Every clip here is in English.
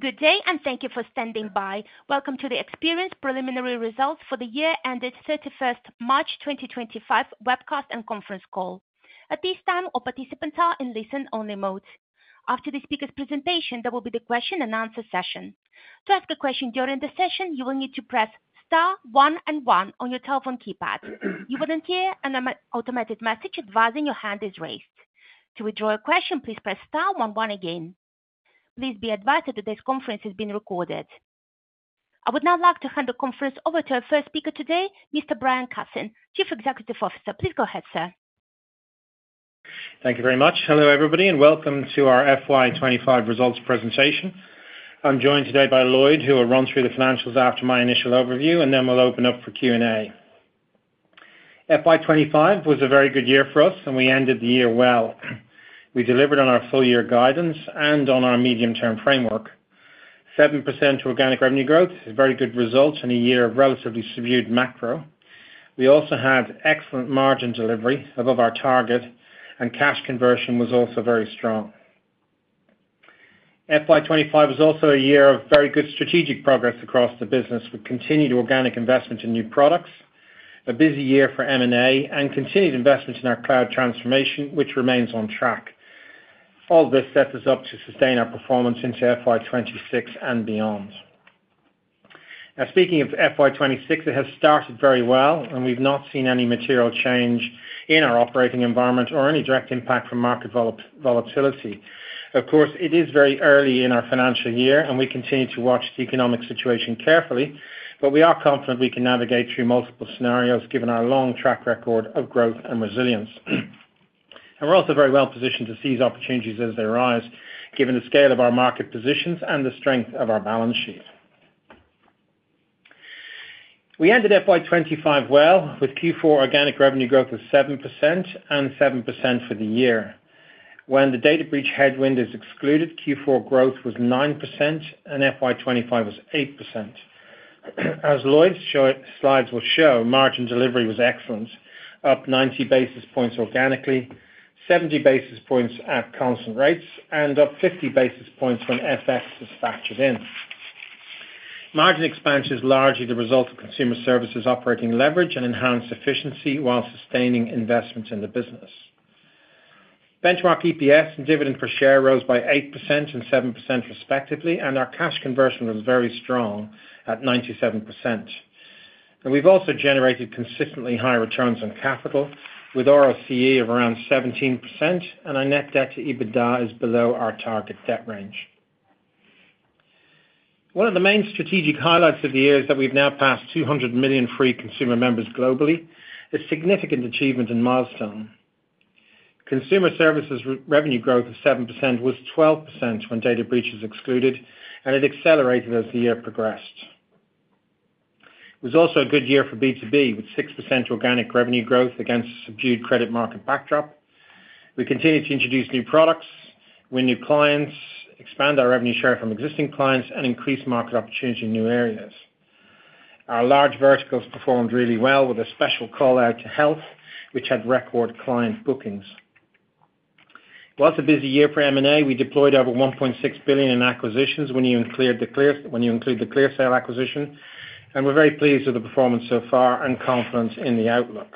Good day, and thank you for standing by. Welcome to Experian's preliminary results for the year ended 31st March 2025 webcast and conference call. At this time, all participants are in listen-only mode. After the speaker's presentation, there will be the question and answer session. To ask a question during the session, you will need to star one and one on your telephone keypad. You will then hear an automated message advising your hand is raised. To withdraw a question, please press one one again. Please be advised that today's conference is being recorded. I would now like to hand the conference over to our first speaker today, Mr. Brian Cassin, Chief Executive Officer. Please go ahead, sir. Thank you very much. Hello, everybody, and welcome to our FY 2025 results presentation. I'm joined today by Lloyd, who will run through the financials after my initial overview, and then we'll open up for Q&A. FY 2025 was a very good year for us, and we ended the year well. We delivered on our full-year guidance and on our medium-term framework. 7% organic revenue growth is a very good result in a year of relatively subdued macro. We also had excellent margin delivery above our target, and cash conversion was also very strong. FY 2025 was also a year of very good strategic progress across the business with continued organic investment in new products, a busy year for M&A, and continued investment in our cloud transformation, which remains on track. All of this sets us up to sustain our performance into FY 2026 and beyond. Now, speaking of FY 2026, it has started very well, and we've not seen any material change in our operating environment or any direct impact from market volatility. Of course, it is very early in our financial year, and we continue to watch the economic situation carefully, but we are confident we can navigate through multiple scenarios given our long track record of growth and resilience. We are also very well positioned to seize opportunities as they arise, given the scale of our market positions and the strength of our balance sheet. We ended FY 2025 well with Q4 organic revenue growth of 7% and 7% for the year. When the data breach headwind is excluded, Q4 growth was 9%, and FY 2025 was 8%. As Lloyd's slides will show, margin delivery was excellent, up 90 basis points organically, 70 basis points at constant rates, and up 50 basis points when FX is factored in. Margin expansion is largely the result of consumer services operating leverage and enhanced efficiency while sustaining investment in the business. Benchmark EPS and dividend per share rose by 8% and 7% respectively, and our cash conversion was very strong at 97%. We've also generated consistently high returns on capital, with ROCE of around 17%, and our net debt to EBITDA is below our target debt range. One of the main strategic highlights of the year is that we have now passed 200 million free consumer members globally, a significant achievement and milestone. Consumer services revenue growth of 7% was 12% when data breaches excluded, and it accelerated as the year progressed. It was also a good year for B2B, with 6% organic revenue growth against a subdued credit market backdrop. We continue to introduce new products, win new clients, expand our revenue share from existing clients, and increase market opportunity in new areas. Our large verticals performed really well, with a special call-out to health, which had record client bookings. Whilst a busy year for M&A, we deployed over $1.6 billion in acquisitions when you include the ClearSale acquisition, and we're very pleased with the performance so far and confident in the outlook.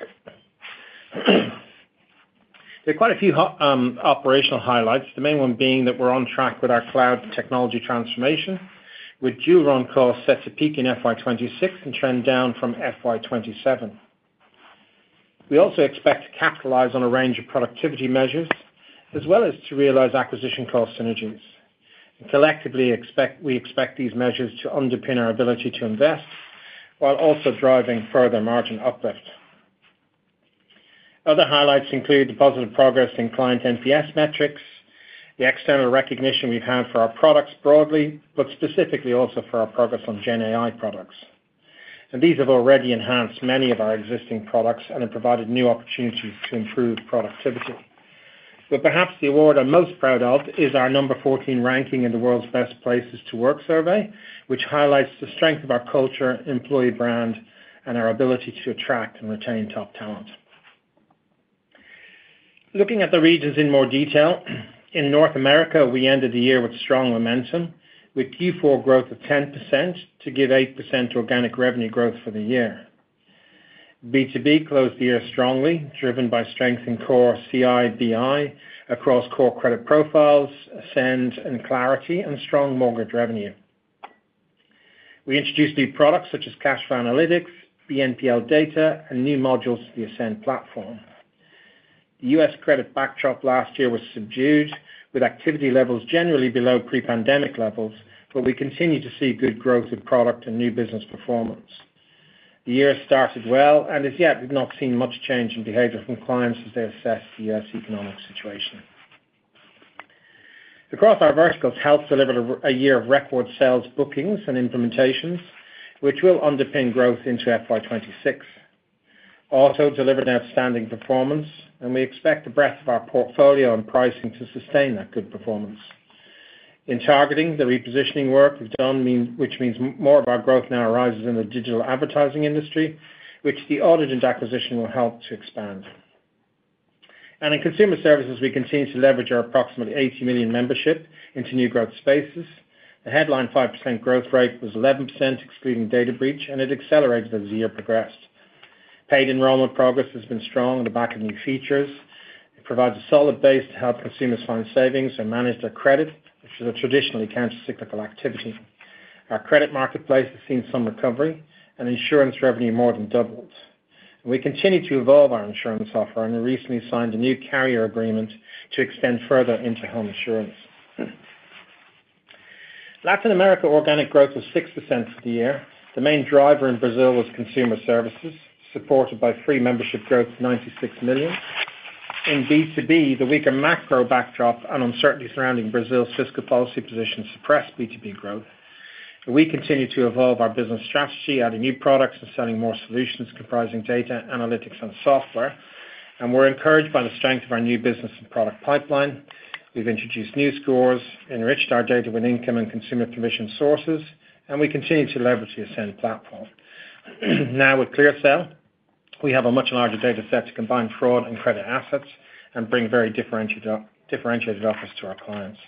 There are quite a few operational highlights, the main one being that we're on track with our cloud technology transformation, with dual-run costs set to peak in FY 2026 and trend down from FY 2027. We also expect to capitalize on a range of productivity measures, as well as to realize acquisition cost synergies. Collectively, we expect these measures to underpin our ability to invest while also driving further margin uplift. Other highlights include the positive progress in client NPS metrics, the external recognition we've had for our products broadly, but specifically also for our progress on GenAI products. These have already enhanced many of our existing products and have provided new opportunities to improve productivity. Perhaps the award I'm most proud of is our number 14 ranking in the world's best places to work survey, which highlights the strength of our culture, employee brand, and our ability to attract and retain top talent. Looking at the regions in more detail, in North America, we ended the year with strong momentum, with Q4 growth of 10% to give 8% organic revenue growth for the year. B2B closed the year strongly, driven by strength in core CI/BI across core credit profiles, Ascend and Clarity, and strong mortgage revenue. We introduced new products such as Cash Flow Analytics, BNPL data, and new modules to the Ascend platform. The U.S. credit backdrop last year was subdued, with activity levels generally below pre-pandemic levels, but we continue to see good growth in product and new business performance. The year has started well and has yet not seen much change in behavior from clients as they assess the U.S. economic situation. Across our verticals, Health delivered a year of record sales bookings and implementations, which will underpin growth into FY 2026. Also delivered outstanding performance, and we expect the breadth of our portfolio and pricing to sustain that good performance. In targeting, the repositioning work we've done, which means more of our growth now arises in the digital advertising industry, which the Audigent acquisition will help to expand. In consumer services, we continue to leverage our approximately 80 million membership into new growth spaces. The headline 5% growth rate was 11% excluding data breach, and it accelerated as the year progressed. Paid enrollment progress has been strong on the back of new features. It provides a solid base to help consumers find savings and manage their credit, which is a traditionally countercyclical activity. Our credit marketplace has seen some recovery, and insurance revenue more than doubled. We continue to evolve our insurance offer, and we recently signed a new carrier agreement to extend further into home insurance. Latin America organic growth was 6% for the year. The main driver in Brazil was consumer services, supported by free membership growth of 96 million. In B2B, the weaker macro backdrop and uncertainty surrounding Brazil's fiscal policy position suppressed B2B growth. We continue to evolve our business strategy, adding new products and selling more solutions comprising data, analytics, and software, and we're encouraged by the strength of our new business and product pipeline. We've introduced new scores, enriched our data with income and consumer permission sources, and we continue to leverage the Ascend platform. Now with ClearSale, we have a much larger data set to combine fraud and credit assets and bring very differentiated offers to our clients.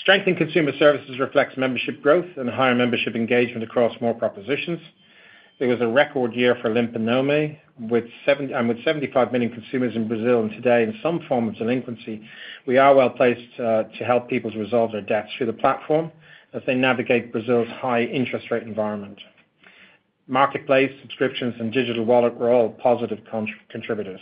Strength in consumer services reflects membership growth and higher membership engagement across more propositions. It was a record year for Limpa Nome, and with 75 million consumers in Brazil and today in some form of delinquency, we are well placed to help people to resolve their debts through the platform as they navigate Brazil's high interest rate environment. Marketplace, subscriptions, and digital wallet were all positive contributors.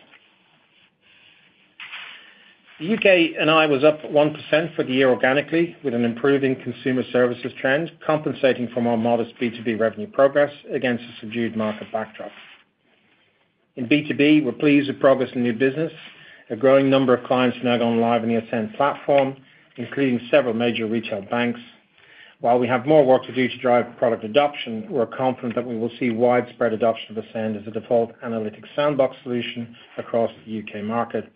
The U.K. and Ireland was up 1% for the year organically, with an improving consumer services trend compensating for more modest B2B revenue progress against a subdued market backdrop. In B2B, we're pleased with progress in new business. A growing number of clients have now gone live on the Ascend platform, including several major retail banks. While we have more work to do to drive product adoption, we're confident that we will see widespread adoption of Ascend as a default analytic sandbox solution across the U.K. market,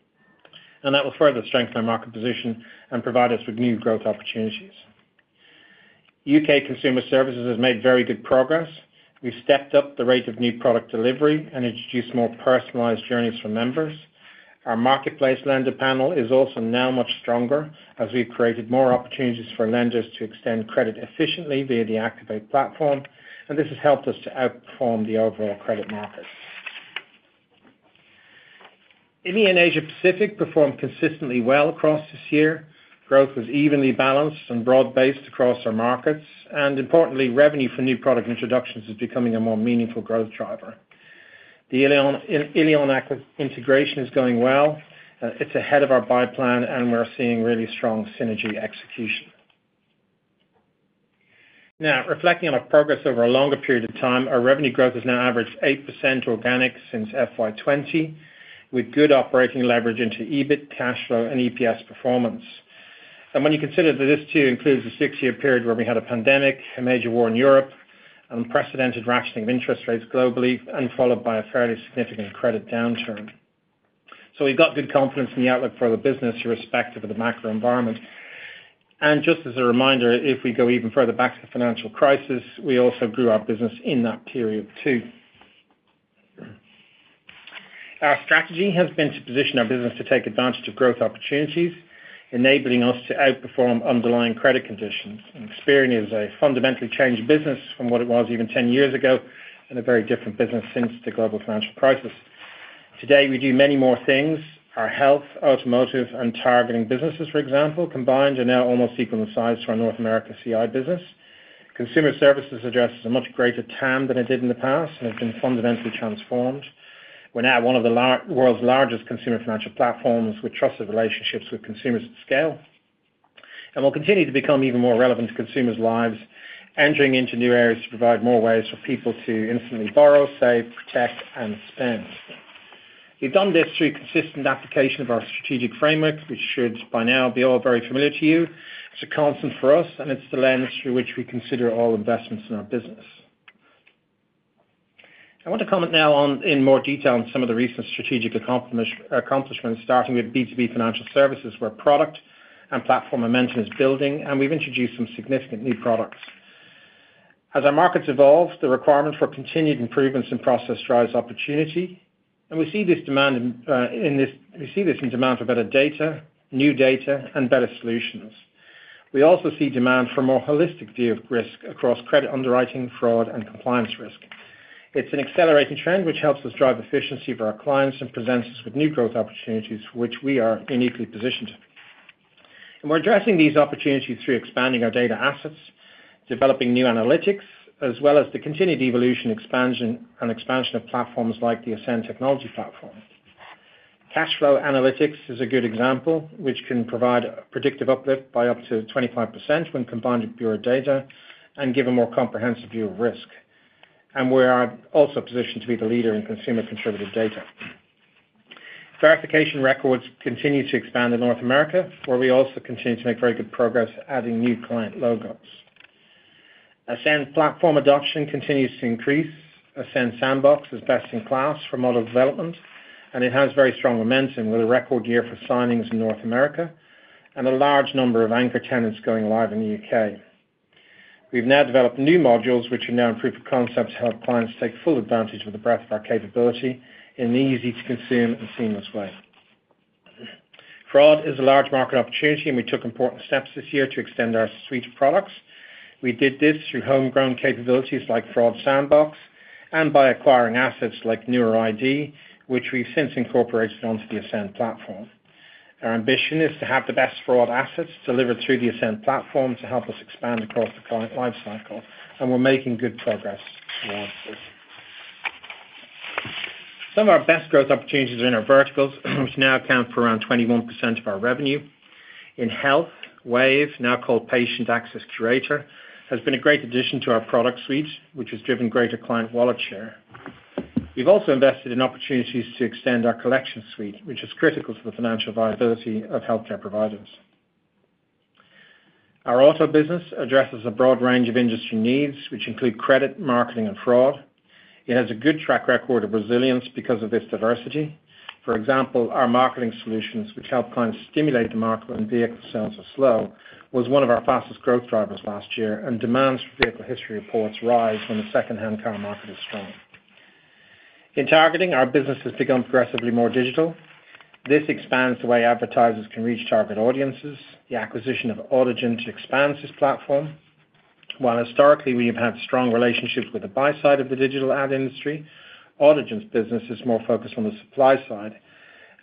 and that will further strengthen our market position and provide us with new growth opportunities. U.K. consumer services have made very good progress. We've stepped up the rate of new product delivery and introduced more personalized journeys for members. Our marketplace lender panel is also now much stronger as we've created more opportunities for lenders to extend credit efficiently via the Activate platform, and this has helped us to outperform the overall credit market. India and Asia-Pacific performed consistently well across this year. Growth was evenly balanced and broad-based across our markets, and importantly, revenue for new product introductions is becoming a more meaningful growth driver. The Ilion access integration is going well. It's ahead of our buy plan, and we're seeing really strong synergy execution. Now, reflecting on our progress over a longer period of time, our revenue growth has now averaged 8% organic since FY 2020, with good operating leverage into EBIT, cash flow, and EPS performance. When you consider that this too includes a six-year period where we had a pandemic, a major war in Europe, an unprecedented rationing of interest rates globally, and followed by a fairly significant credit downturn. We have good confidence in the outlook for the business irrespective of the macro environment. Just as a reminder, if we go even further back to the financial crisis, we also grew our business in that period too. Our strategy has been to position our business to take advantage of growth opportunities, enabling us to outperform underlying credit conditions. Experian is a fundamentally changed business from what it was even 10 years ago and a very different business since the global financial crisis. Today, we do many more things. Our health, automotive, and targeting businesses, for example, combined are now almost equal in size to our North America CI business. Consumer services addresses a much greater TAM than it did in the past and has been fundamentally transformed. We are now one of the world's largest consumer financial platforms with trusted relationships with consumers at scale. We will continue to become even more relevant to consumers' lives, entering into new areas to provide more ways for people to instantly borrow, save, protect, and spend. We have done this through consistent application of our strategic framework, which should by now be all very familiar to you. It's a constant for us, and it's the lens through which we consider all investments in our business. I want to comment now in more detail on some of the recent strategic accomplishments, starting with B2B financial services, where product and platform momentum is building, and we've introduced some significant new products. As our markets evolve, the requirement for continued improvements in process drives opportunity, and we see this in demand for better data, new data, and better solutions. We also see demand for a more holistic view of risk across credit underwriting, fraud, and compliance risk. It's an accelerating trend which helps us drive efficiency for our clients and presents us with new growth opportunities for which we are uniquely positioned. We are addressing these opportunities through expanding our data assets, developing new analytics, as well as the continued evolution, expansion, and expansion of platforms like the Ascend technology platform. Cash flow analytics is a good example, which can provide a predictive uplift by up to 25% when combined with pure data and give a more comprehensive view of risk. We are also positioned to be the leader in consumer contributed data. Verification records continue to expand in North America, where we also continue to make very good progress adding new client logos. Ascend platform adoption continues to increase. Ascend Sandbox is best in class for model development, and it has very strong momentum with a record year for signings in North America and a large number of anchor tenants going live in the U.K. We've now developed new modules which are now proof of concept to help clients take full advantage of the breadth of our capability in an easy-to-consume and seamless way. Fraud is a large market opportunity, and we took important steps this year to extend our suite of products. We did this through homegrown capabilities like Fraud Sandbox and by acquiring assets like NeuroID, which we've since incorporated onto the Ascend platform. Our ambition is to have the best fraud assets delivered through the Ascend platform to help us expand across the client lifecycle, and we're making good progress towards this. Some of our best growth opportunities are in our verticals, which now account for around 21% of our revenue. In Health, Wave, now called Patient Access Curator, has been a great addition to our product suite, which has driven greater client wallet share. We've also invested in opportunities to extend our collection suite, which is critical to the financial viability of healthcare providers. Our auto business addresses a broad range of industry needs, which include credit, marketing, and fraud. It has a good track record of resilience because of this diversity. For example, our marketing solutions, which help clients stimulate the market when vehicle sales are slow, was one of our fastest growth drivers last year, and demands for vehicle history reports rise when the secondhand car market is strong. In targeting, our business has become progressively more digital. This expands the way advertisers can reach target audiences, the acquisition of Audigent to expand this platform. While historically, we have had strong relationships with the buy side of the digital ad industry, Audigent's business is more focused on the supply side,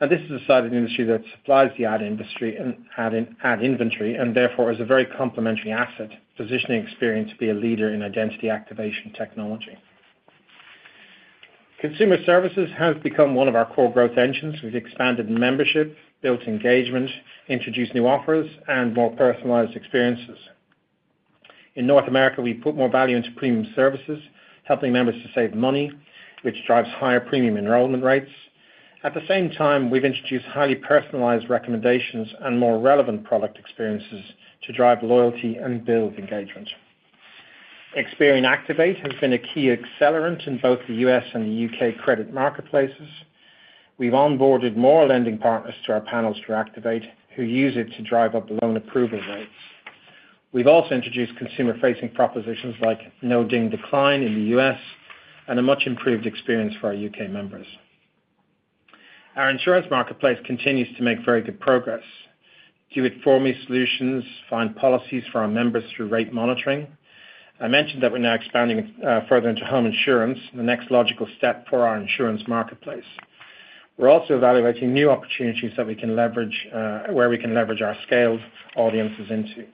and this is a side of the industry that supplies the ad industry and ad inventory, and therefore is a very complementary asset, positioning Experian to be a leader in identity activation technology. Consumer services has become one of our core growth engines. We've expanded membership, built engagement, introduced new offers, and more personalized experiences. In North America, we put more value into premium services, helping members to save money, which drives higher premium enrollment rates. At the same time, we've introduced highly personalized recommendations and more relevant product experiences to drive loyalty and build engagement. Experian Activate has been a key accelerant in both the U.S. and the U.K. credit marketplaces. We've onboarded more lending partners to our panels through Activate, who use it to drive up loan approval rates. We've also introduced consumer-facing propositions like No Ding Decline in the U.S. and a much improved experience for our U.K. members. Our insurance marketplace continues to make very good progress. Do it for me solutions find policies for our members through rate monitoring. I mentioned that we're now expanding further into home insurance, the next logical step for our insurance marketplace. We're also evaluating new opportunities that we can leverage where we can leverage our scaled audiences into.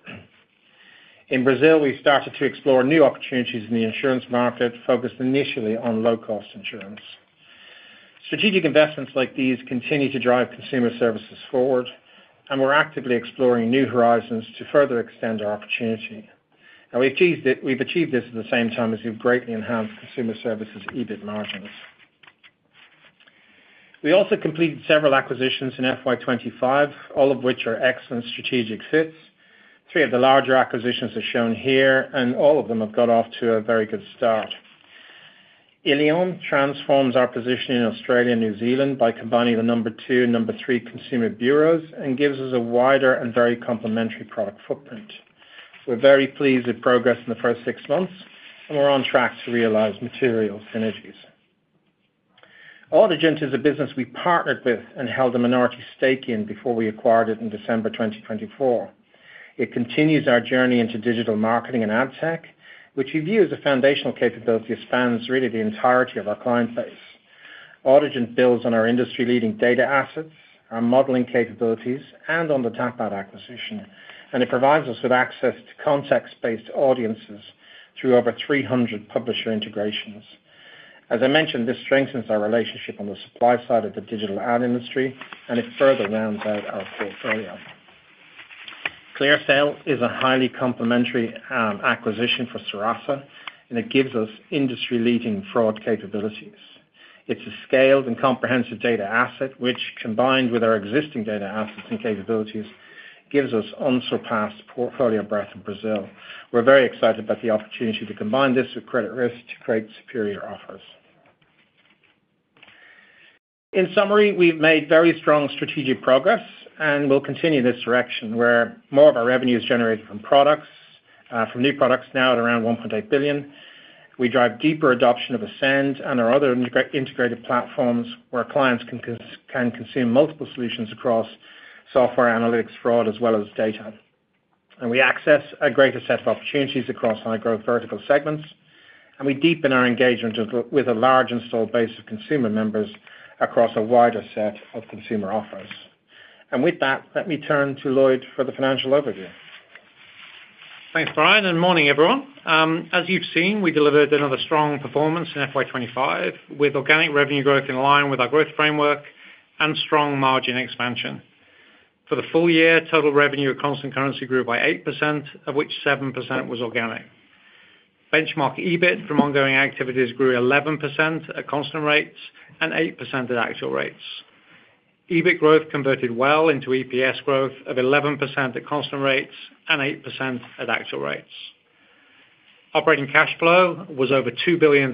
In Brazil, we've started to explore new opportunities in the insurance market focused initially on low-cost insurance. Strategic investments like these continue to drive consumer services forward, and we're actively exploring new horizons to further extend our opportunity. Now, we've achieved this at the same time as we've greatly enhanced Consumer Services EBIT margins. We also completed several acquisitions in FY 2025, all of which are excellent strategic fits. Three of the larger acquisitions are shown here, and all of them have got off to a very good start. Ilion transforms our position in Australia and New Zealand by combining the number two and number three consumer bureaus and gives us a wider and very complementary product footprint. We're very pleased with progress in the first six months, and we're on track to realize material synergies. Audigent is a business we partnered with and held a minority stake in before we acquired it in December 2024. It continues our journey into digital marketing and ad tech, which we view as a foundational capability as it spans really the entirety of our client base. Audigent builds on our industry-leading data assets, our modeling capabilities, and on the TAPAD acquisition, and it provides us with access to context-based audiences through over 300 publisher integrations. As I mentioned, this strengthens our relationship on the supply side of the digital ad industry, and it further rounds out our portfolio. ClearSale is a highly complementary acquisition for Serasa, and it gives us industry-leading fraud capabilities. It is a scaled and comprehensive data asset, which, combined with our existing data assets and capabilities, gives us unsurpassed portfolio breadth in Brazil. We are very excited about the opportunity to combine this with credit risk to create superior offers. In summary, we have made very strong strategic progress and will continue in this direction where more of our revenue is generated from products, from new products now at around $1.8 billion. We drive deeper adoption of Ascend and our other integrated platforms where clients can consume multiple solutions across software analytics, fraud, as well as data. We access a greater set of opportunities across high-growth vertical segments, and we deepen our engagement with a large installed base of consumer members across a wider set of consumer offers. With that, let me turn to Lloyd for the financial overview. Thanks, Brian, and morning, everyone. As you have seen, we delivered another strong performance in FY 2025 with organic revenue growth in line with our growth framework and strong margin expansion. For the full year, total revenue at constant currency grew by 8%, of which 7% was organic. Benchmark EBIT from ongoing activities grew 11% at constant rates and 8% at actual rates. EBIT growth converted well into EPS growth of 11% at constant rates and 8% at actual rates. Operating cash flow was over $2 billion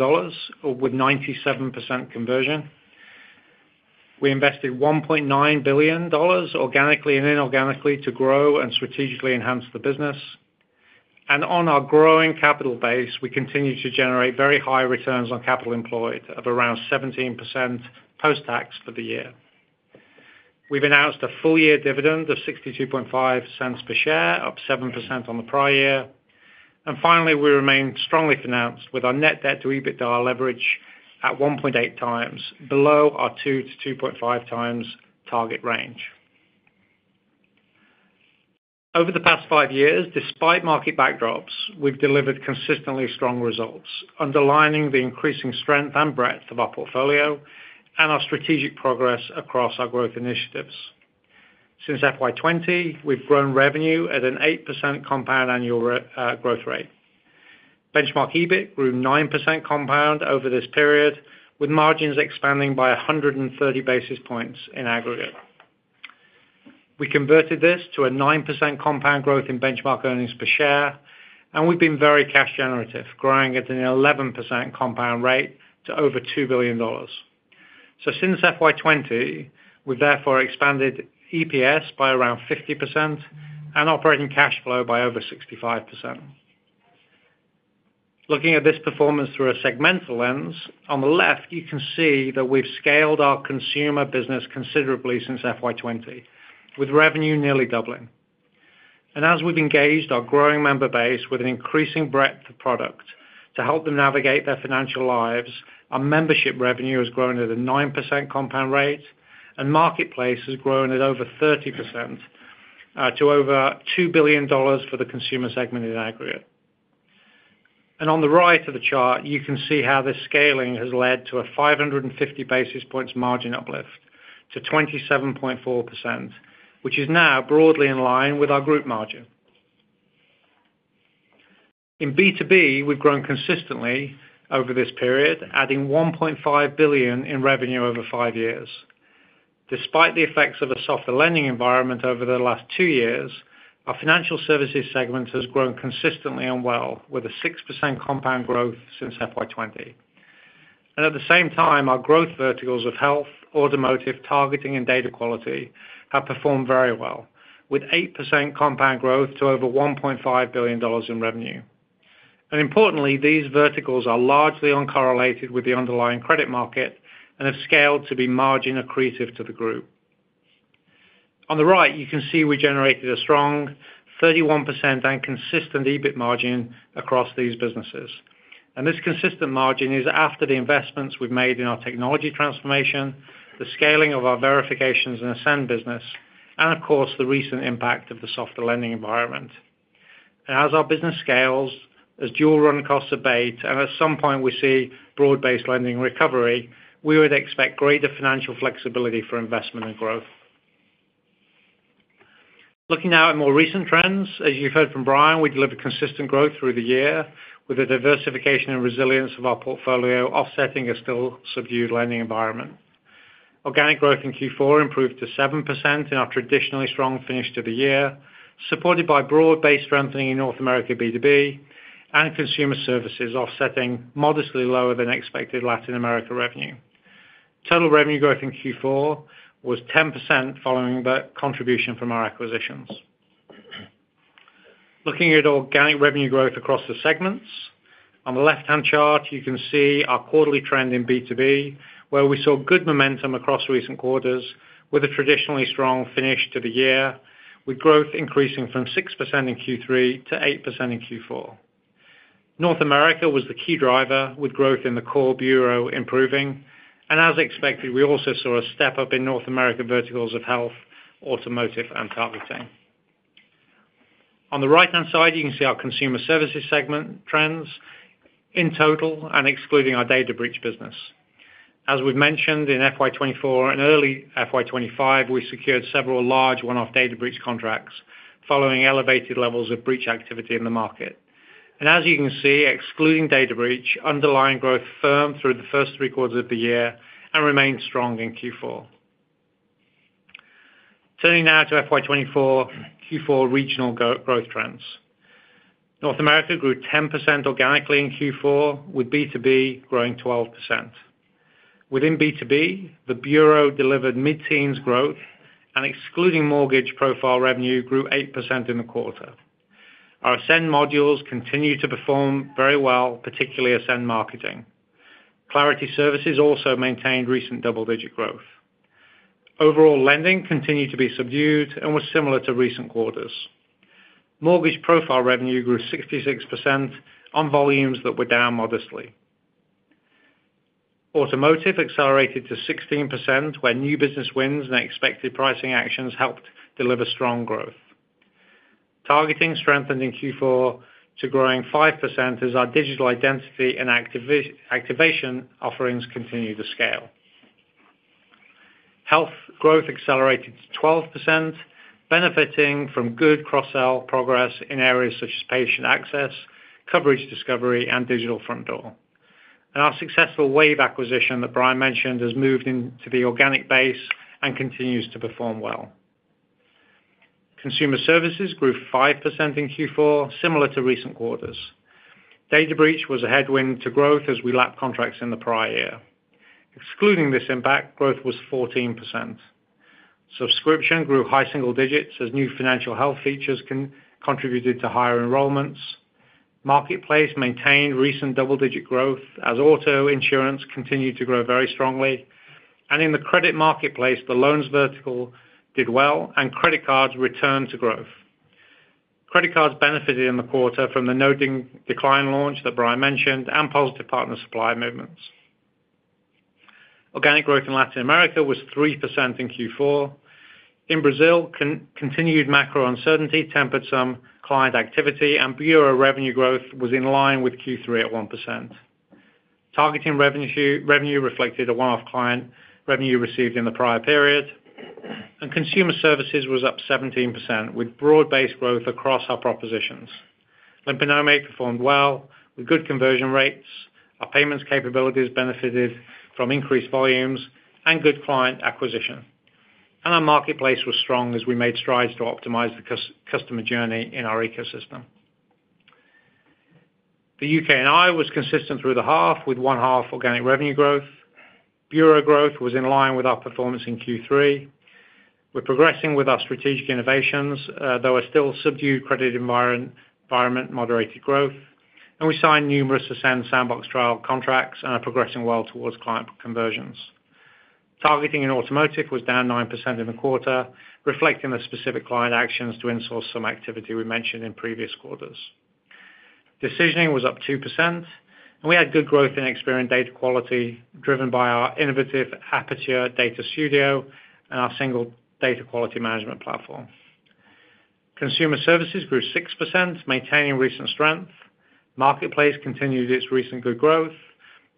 with 97% conversion. We invested $1.9 billion organically and inorganically to grow and strategically enhance the business. On our growing capital base, we continue to generate very high returns on capital employed of around 17% post-tax for the year. We have announced a full-year dividend of $0.625 per share, up 7% on the prior year. Finally, we remain strongly financed with our net debt to EBITDA leverage at 1.8 times, below our 2-2.5 times target range. Over the past five years, despite market backdrops, we have delivered consistently strong results, underlining the increasing strength and breadth of our portfolio and our strategic progress across our growth initiatives. Since FY 2020, we have grown revenue at an 8% compound annual growth rate. Benchmark EBIT grew 9% compound over this period, with margins expanding by 130 basis points in aggregate. We converted this to a 9% compound growth in benchmark earnings per share, and we've been very cash generative, growing at an 11% compound rate to over $2 billion. Since FY 2020, we've therefore expanded EPS by around 50% and operating cash flow by over 65%. Looking at this performance through a segmental lens, on the left, you can see that we've scaled our consumer business considerably since FY 2020, with revenue nearly doubling. As we've engaged our growing member base with an increasing breadth of product to help them navigate their financial lives, our membership revenue has grown at a 9% compound rate, and marketplace has grown at over 30% to over $2 billion for the consumer segment in aggregate. On the right of the chart, you can see how this scaling has led to a 550 basis points margin uplift to 27.4%, which is now broadly in line with our group margin. In B2B, we've grown consistently over this period, adding $1.5 billion in revenue over five years. Despite the effects of a softer lending environment over the last two years, our financial services segment has grown consistently and well with a 6% compound growth since FY 2020. At the same time, our growth verticals of health, automotive, targeting, and data quality have performed very well, with 8% compound growth to over $1.5 billion in revenue. Importantly, these verticals are largely uncorrelated with the underlying credit market and have scaled to be margin accretive to the group. On the right, you can see we generated a strong 31% and consistent EBIT margin across these businesses. This consistent margin is after the investments we've made in our technology transformation, the scaling of our verifications and Ascend business, and of course, the recent impact of the softer lending environment. As our business scales, as dual-run costs abate, and at some point we see broad-based lending recovery, we would expect greater financial flexibility for investment and growth. Looking now at more recent trends, as you've heard from Brian, we delivered consistent growth through the year with a diversification and resilience of our portfolio offsetting a still subdued lending environment. Organic growth in Q4 improved to 7% in our traditionally strong finish to the year, supported by broad-based strengthening in North America B2B and consumer services offsetting modestly lower than expected Latin America revenue. Total revenue growth in Q4 was 10% following the contribution from our acquisitions. Looking at organic revenue growth across the segments, on the left-hand chart, you can see our quarterly trend in B2B, where we saw good momentum across recent quarters with a traditionally strong finish to the year, with growth increasing from 6% in Q3 to 8% in Q4. North America was the key driver, with growth in the core bureau improving. As expected, we also saw a step up in North America verticals of health, automotive, and targeting. On the right-hand side, you can see our consumer services segment trends in total and excluding our data breach business. As we've mentioned in FY 2024 and early FY 2025, we secured several large one-off data breach contracts following elevated levels of breach activity in the market. As you can see, excluding data breach, underlying growth firmed through the first three quarters of the year and remained strong in Q4. Turning now to FY 2024, Q4 regional growth trends. North America grew 10% organically in Q4, with B2B growing 12%. Within B2B, the bureau delivered mid-teens growth, and excluding mortgage profile revenue grew 8% in the quarter. Our Ascend modules continued to perform very well, particularly Ascend Marketing. Clarity Services also maintained recent double-digit growth. Overall lending continued to be subdued and was similar to recent quarters. Mortgage profile revenue grew 66% on volumes that were down modestly. Automotive accelerated to 16%, where new business wins and expected pricing actions helped deliver strong growth. Targeting strengthened in Q4 to growing 5% as our digital identity and activation offerings continued to scale. Health growth accelerated to 12%, benefiting from good cross-sell progress in areas such as patient access, coverage discovery, and digital front door. Our successful Wave acquisition that Brian mentioned has moved into the organic base and continues to perform well. Consumer services grew 5% in Q4, similar to recent quarters. Data breach was a headwind to growth as we lapped contracts in the prior year. Excluding this impact, growth was 14%. Subscription grew high single digits as new financial health features contributed to higher enrollments. Marketplace maintained recent double-digit growth as auto insurance continued to grow very strongly. In the credit marketplace, the loans vertical did well, and credit cards returned to growth. Credit cards benefited in the quarter from the No Ding Decline launch that Brian mentioned and positive partner supply movements. Organic growth in Latin America was 3% in Q4. In Brazil, continued macro uncertainty tempered some client activity, and bureau revenue growth was in line with Q3 at 1%. Targeting revenue reflected a one-off client revenue received in the prior period. Consumer services was up 17%, with broad-based growth across our propositions. Limpa Nome performed well with good conversion rates. Our payments capabilities benefited from increased volumes and good client acquisition. Our marketplace was strong as we made strides to optimize the customer journey in our ecosystem. The U.K. and Ireland was consistent through the half, with one-half organic revenue growth. Bureau growth was in line with our performance in Q3. We are progressing with our strategic innovations, though a still subdued credit environment moderated growth. We signed numerous Ascend Sandbox trial contracts and are progressing well towards client conversions. Targeting in Automotive was down 9% in the quarter, reflecting the specific client actions to insource some activity we mentioned in previous quarters. Decisioning was up 2%, and we had good growth in Experian Data Quality driven by our innovative Aperture Data Studio and our single data quality management platform. Consumer services grew 6%, maintaining recent strength. Marketplace continued its recent good growth.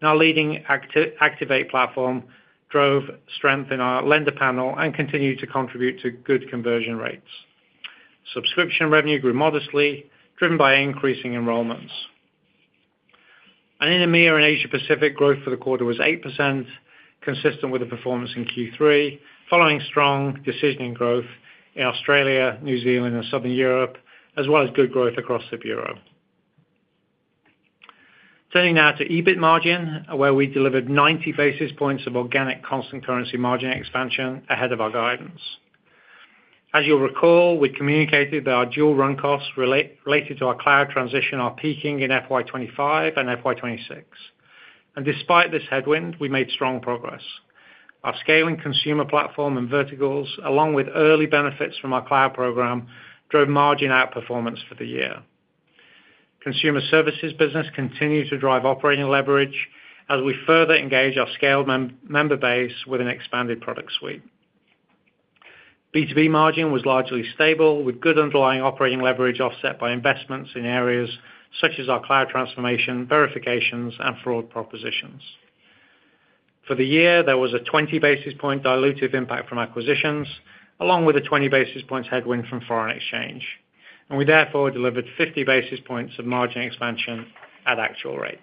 Our leading Activate platform drove strength in our lender panel and continued to contribute to good conversion rates. Subscription revenue grew modestly, driven by increasing enrollments. In EMEA and Asia-Pacific, growth for the quarter was 8%, consistent with the performance in Q3, following strong decisioning growth in Australia, New Zealand, and Southern Europe, as well as good growth across the bureau. Turning now to EBIT margin, where we delivered 90 basis points of organic constant currency margin expansion ahead of our guidance. As you'll recall, we communicated that our dual-run costs related to our cloud transition are peaking in FY 2025 and FY 2026. Despite this headwind, we made strong progress. Our scaling consumer platform and verticals, along with early benefits from our cloud program, drove margin outperformance for the year. Consumer services business continues to drive operating leverage as we further engage our scaled member base with an expanded product suite. B2B margin was largely stable, with good underlying operating leverage offset by investments in areas such as our cloud transformation, verifications, and fraud propositions. For the year, there was a 20 basis point dilutive impact from acquisitions, along with a 20 basis point headwind from foreign exchange. We therefore delivered 50 basis points of margin expansion at actual rates.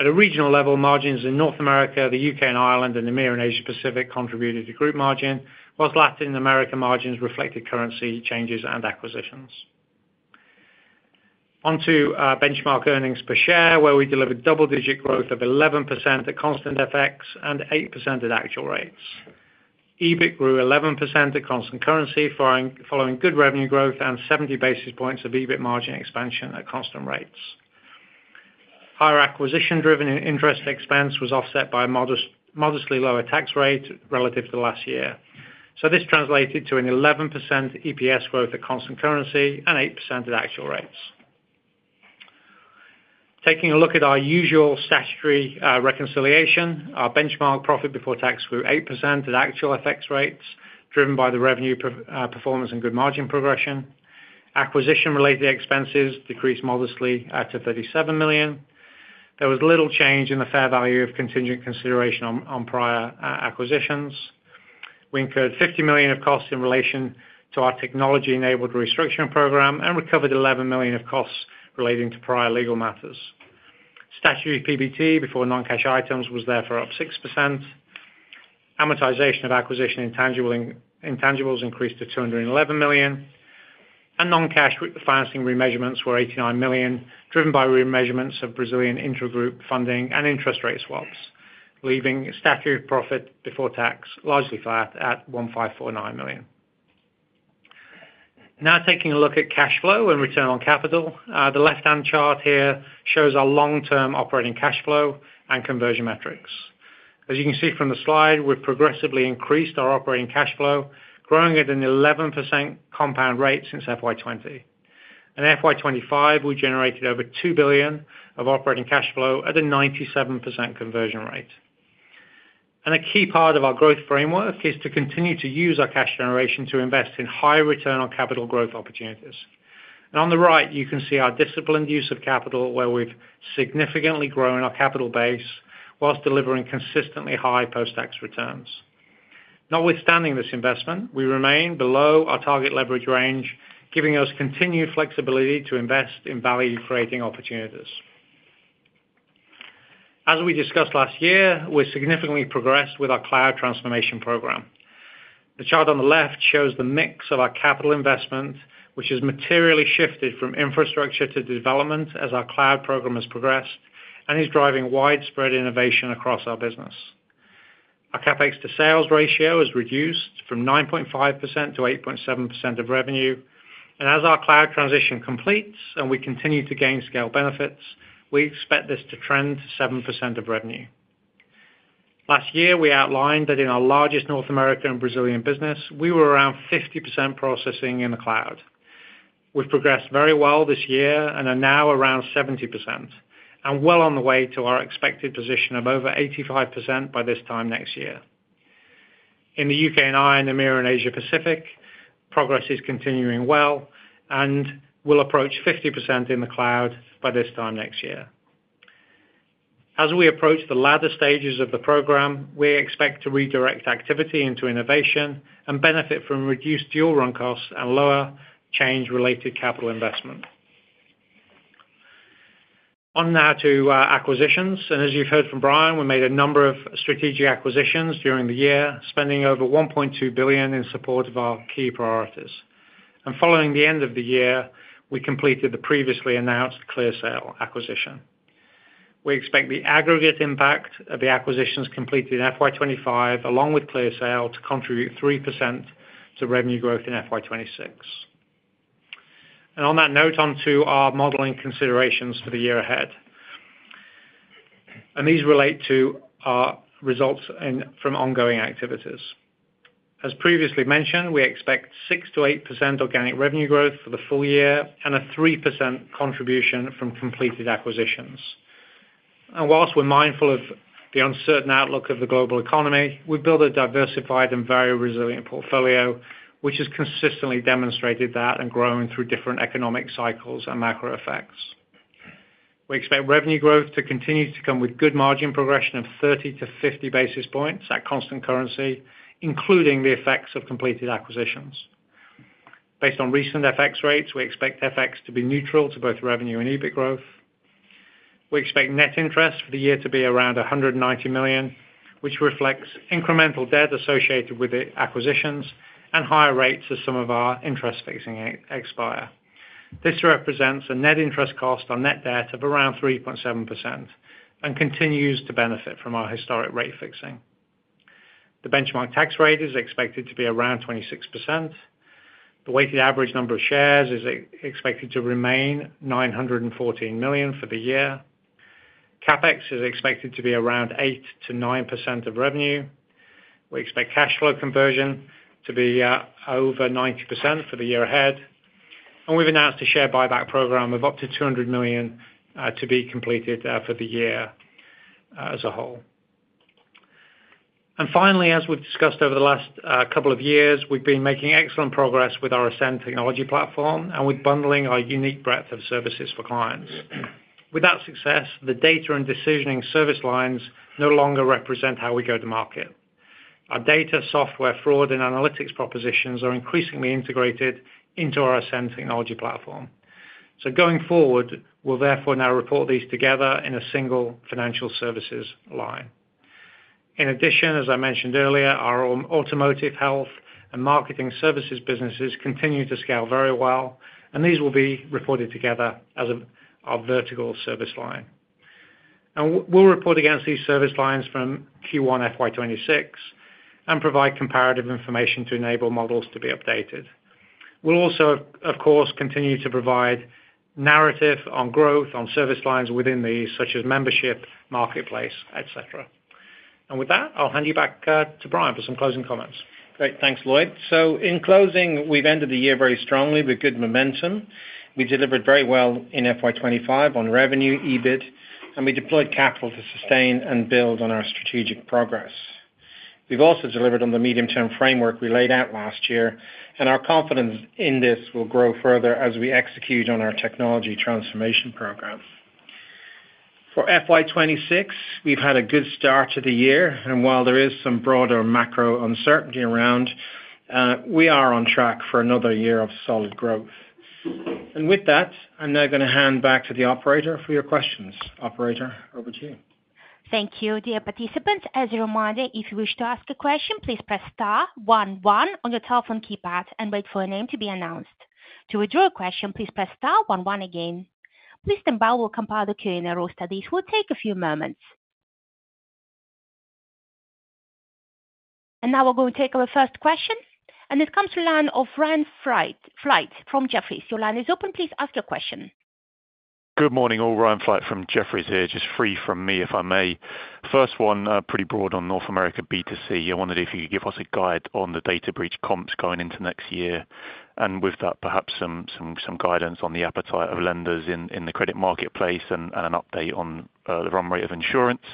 At a regional level, margins in North America, the U.K. and Ireland, and EMEA and Asia-Pacific contributed to group margin, whilst Latin America margins reflected currency changes and acquisitions. Onto benchmark earnings per share, where we delivered double-digit growth of 11% at constant FX and 8% at actual rates. EBIT grew 11% at constant currency, following good revenue growth and 70 basis points of EBIT margin expansion at constant rates. Higher acquisition-driven interest expense was offset by a modestly lower tax rate relative to last year. This translated to an 11% EPS growth at constant currency and 8% at actual rates. Taking a look at our usual statutory reconciliation, our benchmark profit before tax grew 8% at actual FX rates, driven by the revenue performance and good margin progression. Acquisition-related expenses decreased modestly at the $37 million. There was little change in the fair value of contingent consideration on prior acquisitions. We incurred $50 million of costs in relation to our technology-enabled restriction program and recovered $11 million of costs relating to prior legal matters. Statutory PBT before non-cash items was therefore up 6%. Amortization of acquisition intangibles increased to $211 million. Non-cash financing remeasurements were $89 million, driven by remeasurements of Brazilian intra-group funding and interest rate swaps, leaving statutory profit before tax largely flat at $1.549 million. Now taking a look at cash flow and return on capital, the left-hand chart here shows our long-term operating cash flow and conversion metrics. As you can see from the slide, we've progressively increased our operating cash flow, growing at an 11% compound rate since FY 2020. In FY 2025, we generated over $2 billion of operating cash flow at a 97% conversion rate. A key part of our growth framework is to continue to use our cash generation to invest in high return on capital growth opportunities. On the right, you can see our disciplined use of capital, where we've significantly grown our capital base whilst delivering consistently high post-tax returns. Notwithstanding this investment, we remain below our target leverage range, giving us continued flexibility to invest in value-creating opportunities. As we discussed last year, we've significantly progressed with our cloud transformation program. The chart on the left shows the mix of our capital investment, which has materially shifted from infrastructure to development as our cloud program has progressed and is driving widespread innovation across our business. Our CapEx to sales ratio has reduced from 9.5% to 8.7% of revenue. As our cloud transition completes and we continue to gain scale benefits, we expect this to trend to 7% of revenue. Last year, we outlined that in our largest North American and Brazilian business, we were around 50% processing in the cloud. We've progressed very well this year and are now around 70% and well on the way to our expected position of over 85% by this time next year. In the U.K. and Ireland, EMEA and Asia-Pacific, progress is continuing well and will approach 50% in the cloud by this time next year. As we approach the latter stages of the program, we expect to redirect activity into innovation and benefit from reduced dual-run costs and lower change-related capital investment. On now to acquisitions. As you've heard from Brian, we made a number of strategic acquisitions during the year, spending over $1.2 billion in support of our key priorities. Following the end of the year, we completed the previously announced ClearSale acquisition. We expect the aggregate impact of the acquisitions completed in FY 2025, along with ClearSale, to contribute 3% to revenue growth in FY 2026. On that note, onto our modeling considerations for the year ahead. These relate to our results from ongoing activities. As previously mentioned, we expect 6% to 8% organic revenue growth for the full year and a 3% contribution from completed acquisitions. Whilst we're mindful of the uncertain outlook of the global economy, we've built a diversified and very resilient portfolio, which has consistently demonstrated that and grown through different economic cycles and macro effects. We expect revenue growth to continue to come with good margin progression of 30 to 50 basis points at constant currency, including the effects of completed acquisitions. Based on recent FX rates, we expect FX to be neutral to both revenue and EBIT growth. We expect net interest for the year to be around $190 million, which reflects incremental debt associated with the acquisitions and higher rates as some of our interest fixing expire. This represents a net interest cost on net debt of around 3.7% and continues to benefit from our historic rate fixing. The benchmark tax rate is expected to be around 26%. The weighted average number of shares is expected to remain 914 million for the year. CapEx is expected to be around 8% to 9% of revenue. We expect cash flow conversion to be over 90% for the year ahead. We have announced a share buyback program of up to $200 million to be completed for the year as a whole. Finally, as we've discussed over the last couple of years, we've been making excellent progress with our Ascend Technology platform and with bundling our unique breadth of services for clients. With that success, the data and decisioning service lines no longer represent how we go to market. Our data, software, fraud, and analytics propositions are increasingly integrated into our Ascend Technology platform. Going forward, we'll therefore now report these together in a single financial services line. In addition, as I mentioned earlier, our automotive, health, and marketing services businesses continue to scale very well, and these will be reported together as our vertical service line. We'll report against these service lines from Q1 FY 2026 and provide comparative information to enable models to be updated. We'll also, of course, continue to provide narrative on growth on service lines within these, such as membership, marketplace, et cetera. With that, I'll hand you back to Brian for some closing comments. Great. Thanks, Lloyd. In closing, we've ended the year very strongly with good momentum. We delivered very well in FY 2025 on revenue, EBIT, and we deployed capital to sustain and build on our strategic progress. We've also delivered on the medium-term framework we laid out last year, and our confidence in this will grow further as we execute on our technology transformation program. For FY 2026, we've had a good start to the year, and while there is some broader macro uncertainty around, we are on track for another year of solid growth. With that, I'm now going to hand back to the operator for your questions. Operator, over to you. Thank you. Dear participants, as a reminder, if you wish to ask a question, please press star one one on your telephone keypad and wait for a name to be announced. To withdraw a question, please press star one one again. Please stand by while we compile the Q&A roster. This will take a few moments. Now we are going to take our first question, and this comes from the line of Ryan Flight from Jefferies. Your line is open. Please ask your question. Good morning all. Ryan Flight from Jefferies here, just three from me if I may. First one, pretty broad on North America B2C. I wondered if you could give us a guide on the data breach comps going into next year, and with that, perhaps some guidance on the appetite of lenders in the credit marketplace and an update on the run rate of insurance.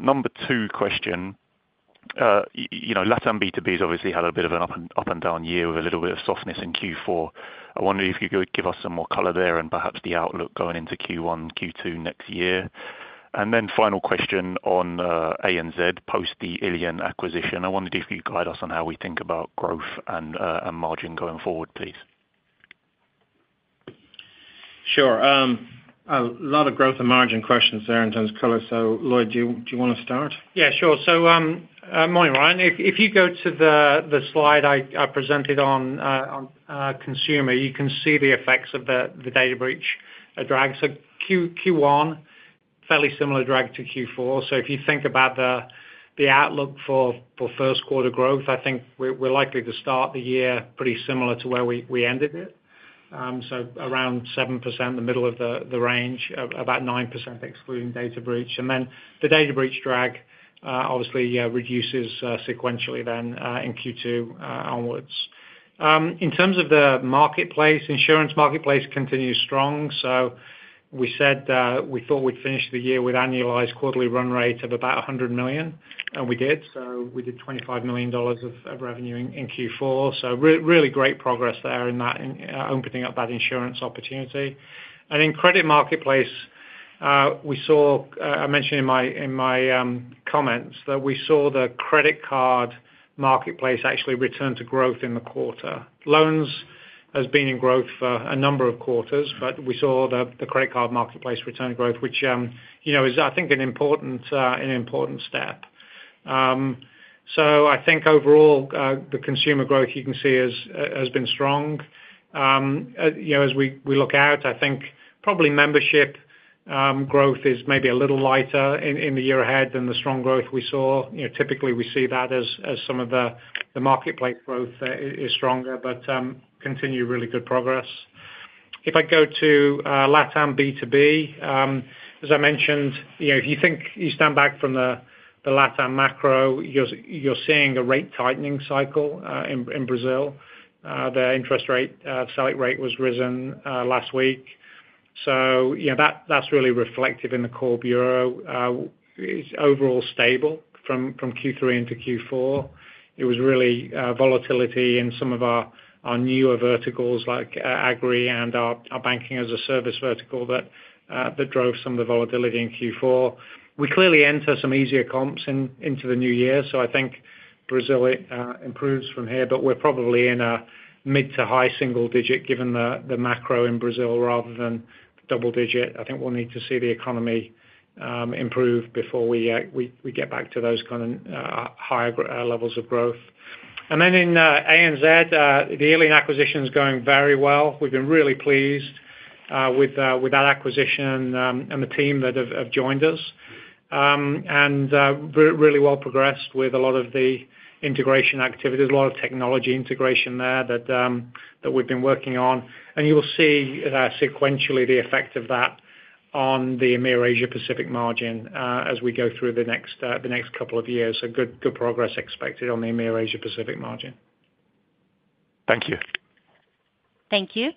Number two question, Latin B2B has obviously had a bit of an up-and-down year with a little bit of softness in Q4. I wondered if you could give us some more color there and perhaps the outlook going into Q1, Q2 next year. And then final question on ANZ post the Ilion acquisition. I wondered if you could guide us on how we think about growth and margin going forward, please. Sure. A lot of growth and margin questions there in terms of color. Lloyd, do you want to start? Yeah, sure. Morning, Ryan. If you go to the slide I presented on consumer, you can see the effects of the data breach drag. Q1, fairly similar drag to Q4. If you think about the outlook for first-quarter growth, I think we're likely to start the year pretty similar to where we ended it. Around 7%, the middle of the range, about 9% excluding data breach. The data breach drag obviously reduces sequentially then in Q2 onwards. In terms of the marketplace, insurance marketplace continues strong. We said we thought we'd finish the year with annualized quarterly run rate of about $100 million, and we did. We did $25 million of revenue in Q4. Really great progress there in opening up that insurance opportunity. In credit marketplace, I mentioned in my comments that we saw the credit card marketplace actually return to growth in the quarter. Loans have been in growth for a number of quarters, but we saw the credit card marketplace return to growth, which is, I think, an important step. I think overall, the consumer growth you can see has been strong. As we look out, I think probably membership growth is maybe a little lighter in the year ahead than the strong growth we saw. Typically, we see that as some of the marketplace growth is stronger, but continue really good progress. If I go to Latin B2B, as I mentioned, if you stand back from the Latin macro, you're seeing a rate tightening cycle in Brazil. The interest rate selling rate was risen last week. That is really reflective in the core bureau. It is overall stable from Q3 into Q4. It was really volatility in some of our newer verticals like agri and our banking as a service vertical that drove some of the volatility in Q4. We clearly enter some easier comps into the new year. I think Brazil improves from here, but we're probably in a mid to high single digit given the macro in Brazil rather than double digit. I think we'll need to see the economy improve before we get back to those kind of higher levels of growth. In ANZ, the Ilion acquisition is going very well. We've been really pleased with that acquisition and the team that have joined us and really well progressed with a lot of the integration activities, a lot of technology integration there that we've been working on. You will see sequentially the effect of that on the EMEA Asia-Pacific margin as we go through the next couple of years. Good progress expected on the EMEA Asia-Pacific margin. Thank you. Thank you.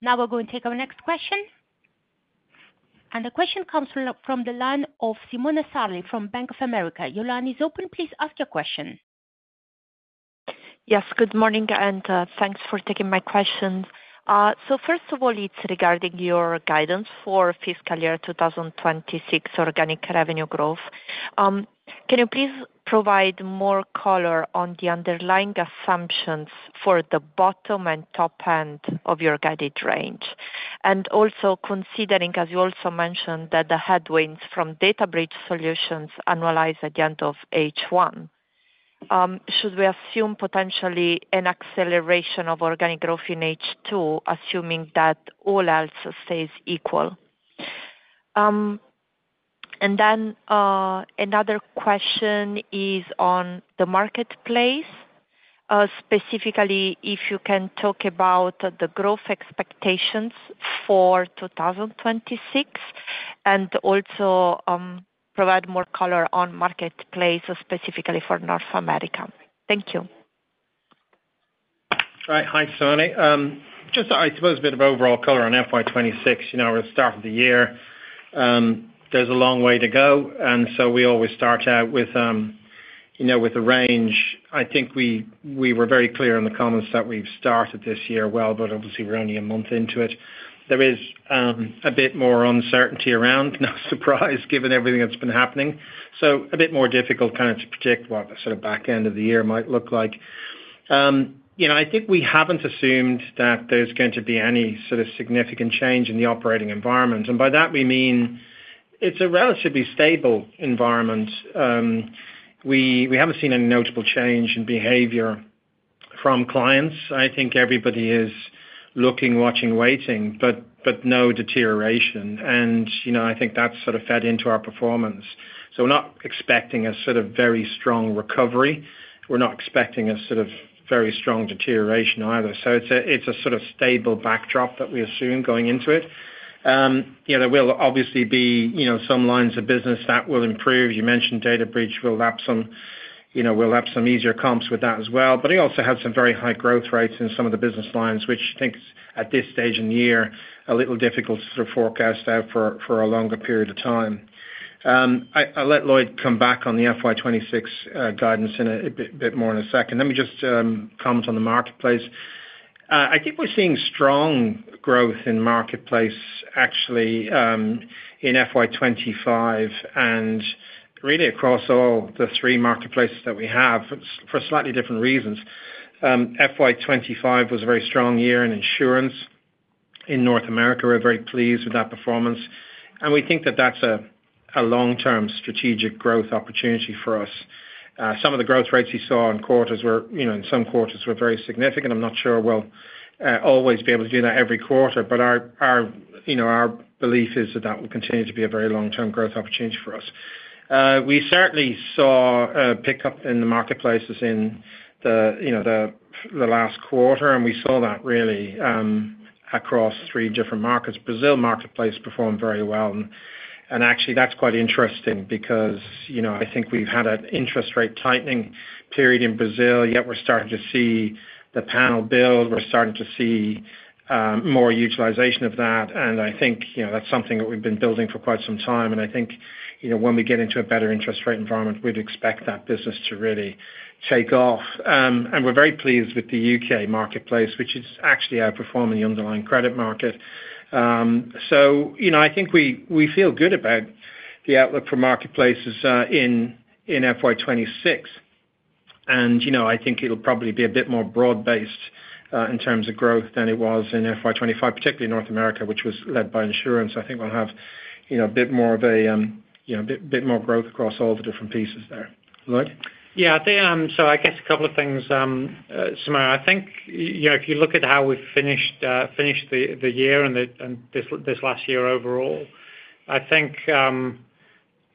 Now we're going to take our next question. The question comes from the line of Simona Sarli from Bank of America. Your line is open. Please ask your question. Yes, good morning and thanks for taking my question. First of all, it's regarding your guidance for FY 2026 organic revenue growth. Can you please provide more color on the underlying assumptions for the bottom and top end of your guided range? Also, considering, as you also mentioned, that the headwinds from data breach solutions analyze at the end of H1, should we assume potentially an acceleration of organic growth in H2, assuming that all else stays equal? Another question is on the marketplace, specifically if you can talk about the growth expectations for 2026 and also provide more color on marketplace, specifically for North America. Thank you. All right. Hi, Simona. Just, I suppose, a bit of overall color on FY 2026, We're at the start of the year There's a long way to go. We always start out with a range. I think we were very clear in the comments that we've started this year well, but obviously, we're only a month into it. There is a bit more uncertainty around, no surprise, given everything that's been happening. A bit more difficult kind of to predict what the sort of back end of the year might look like. I think we haven't assumed that there's going to be any sort of significant change in the operating environment. By that, we mean it's a relatively stable environment. We haven't seen any notable change in behavior from clients. I think everybody is looking, watching, waiting, but no deterioration. I think that's sort of fed into our performance. We're not expecting a sort of very strong recovery. We're not expecting a sort of very strong deterioration either. It's a sort of stable backdrop that we assume going into it. There will obviously be some lines of business that will improve. You mentioned data breach will lap some easier comps with that as well. We also have some very high growth rates in some of the business lines, which I think at this stage in the year, a little difficult to forecast out for a longer period of time. I'll let Lloyd come back on the FY 2026 guidance in a bit more in a second. Let me just comment on the marketplace. I think we're seeing strong growth in marketplace, actually, in FY 2025 and really across all the three marketplaces that we have for slightly different reasons. FY 2025 was a very strong year in insurance in North America. We're very pleased with that performance. We think that that's a long-term strategic growth opportunity for us. Some of the growth rates you saw in quarters were, in some quarters, very significant. I'm not sure we'll always be able to do that every quarter, but our belief is that it will continue to be a very long-term growth opportunity for us. We certainly saw a pickup in the marketplaces in the last quarter, and we saw that really across three different markets. Brazil marketplace performed very well. Actually, that's quite interesting because I think we've had an interest rate tightening period in Brazil, yet we're starting to see the panel build. We're starting to see more utilization of that. I think that's something that we've been building for quite some time. I think when we get into a better interest rate environment, we'd expect that business to really take off. We are very pleased with the U.K. marketplace, which is actually outperforming the underlying credit market. I think we feel good about the outlook for marketplaces in FY 2026. I think it will probably be a bit more broad-based in terms of growth than it was inFY 2025, particularly North America, which was led by insurance. I think we will have a bit more growth across all the different pieces there. Lloyd? Yeah. I guess a couple of things, Simone. If you look at how we have finished the year and this last year overall, I think how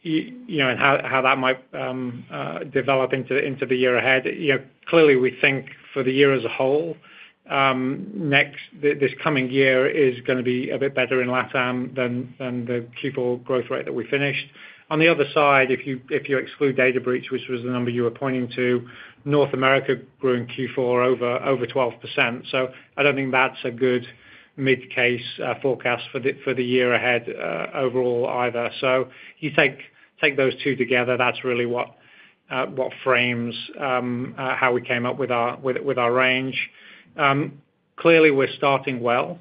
that might develop into the year ahead, clearly, we think for the year as a whole, this coming year is going to be a bit better in Latin America than the Q4 growth rate that we finished. On the other side, if you exclude data breach, which was the number you were pointing to, North America grew in Q4 over 12%. I do not think that is a good mid-case forecast for the year ahead overall either. You take those two together, that is really what frames how we came up with our range. Clearly, we are starting well.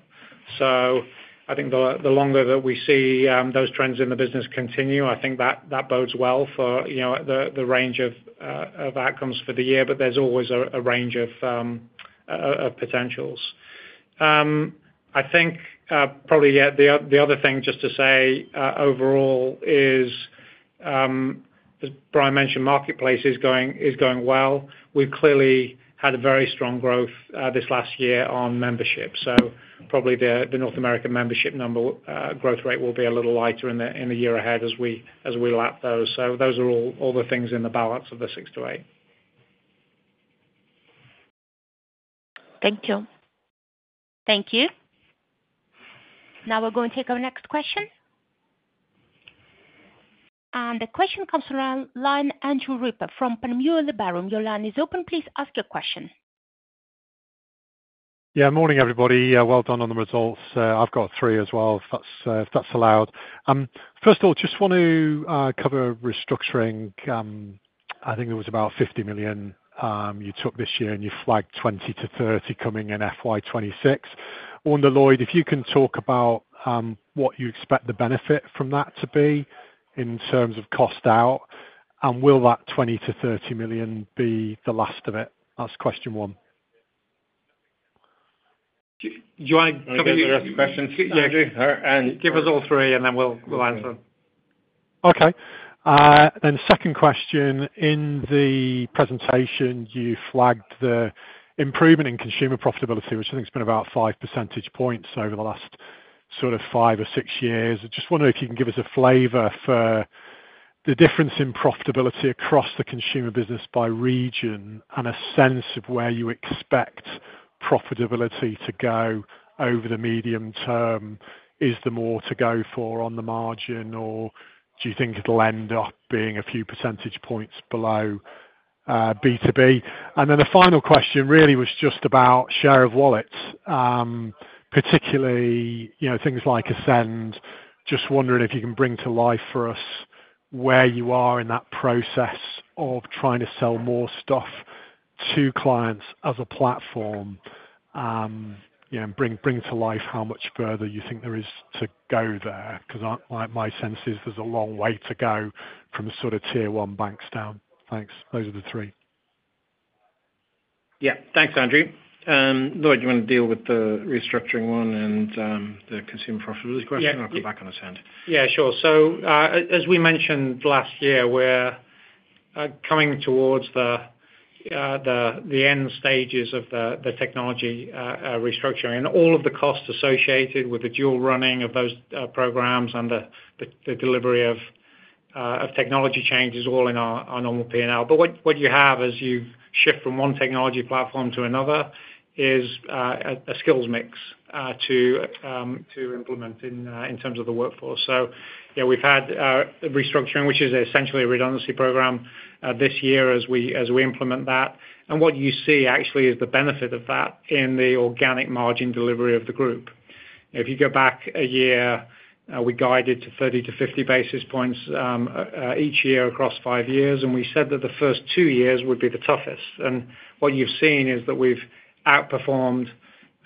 I think the longer that we see those trends in the business continue, I think that bodes well for the range of outcomes for the year, but there is always a range of potentials. I think probably the other thing just to say overall is, as Brian mentioned, marketplace is going well. We have clearly had very strong growth this last year on membership. Probably the North America membership number growth rate will be a little lighter in the year ahead as we lap those. Those are all the things in the balance of the six to eight. Thank you. Thank you. Now we're going to take our next question. The question comes from Andrew Ripper from Jefferies. Your line is open. Please ask your question. Yeah. Morning, everybody. Well done on the results. I've got three as well, if that's allowed. First of all, just want to cover restructuring. I think it was about $50 million you took this year, and you flagged $20 million-$30 million coming in FY 2026. Lloyd, if you can talk about what you expect the benefit from that to be in terms of cost out, and will that $20 million to $30 million be the last of it? That's question one. Do you want to come and answer the rest of the questions? Yeah. And give us all three, and then we'll answer. Okay. Second question, in the presentation, you flagged the improvement in consumer profitability, which I think has been about five percentage points over the last sort of five or six years. Just wondering if you can give us a flavor for the difference in profitability across the consumer business by region and a sense of where you expect profitability to go over the medium term is there more to go for on the margin, or do you think it'll end up being a few percentage points below B2B? The final question really was just about share of wallets, particularly things like Ascend. Just wondering if you can bring to life for us where you are in that process of trying to sell more stuff to clients as a platform and bring to life how much further you think there is to go there. Because my sense is there's a long way to go from sort of tier one banks down. Thanks. Those are the three. Yeah. Thanks, Andrew. Lloyd, do you want to deal with the restructuring one and the consumer profitability question? I'll come back on Ascend. Yeah, sure. As we mentioned last year, we're coming towards the end stages of the technology restructuring. All of the costs associated with the dual running of those programs and the delivery of technology change is all in our normal P&L. What you have as you shift from one technology platform to another is a skills mix to implement in terms of the workforce. We've had restructuring, which is essentially a redundancy program this year as we implement that. What you see actually is the benefit of that in the organic margin delivery of the group. If you go back a year, we guided to 30-50 basis points each year across five years. We said that the first two years would be the toughest. What you've seen is that we've outperformed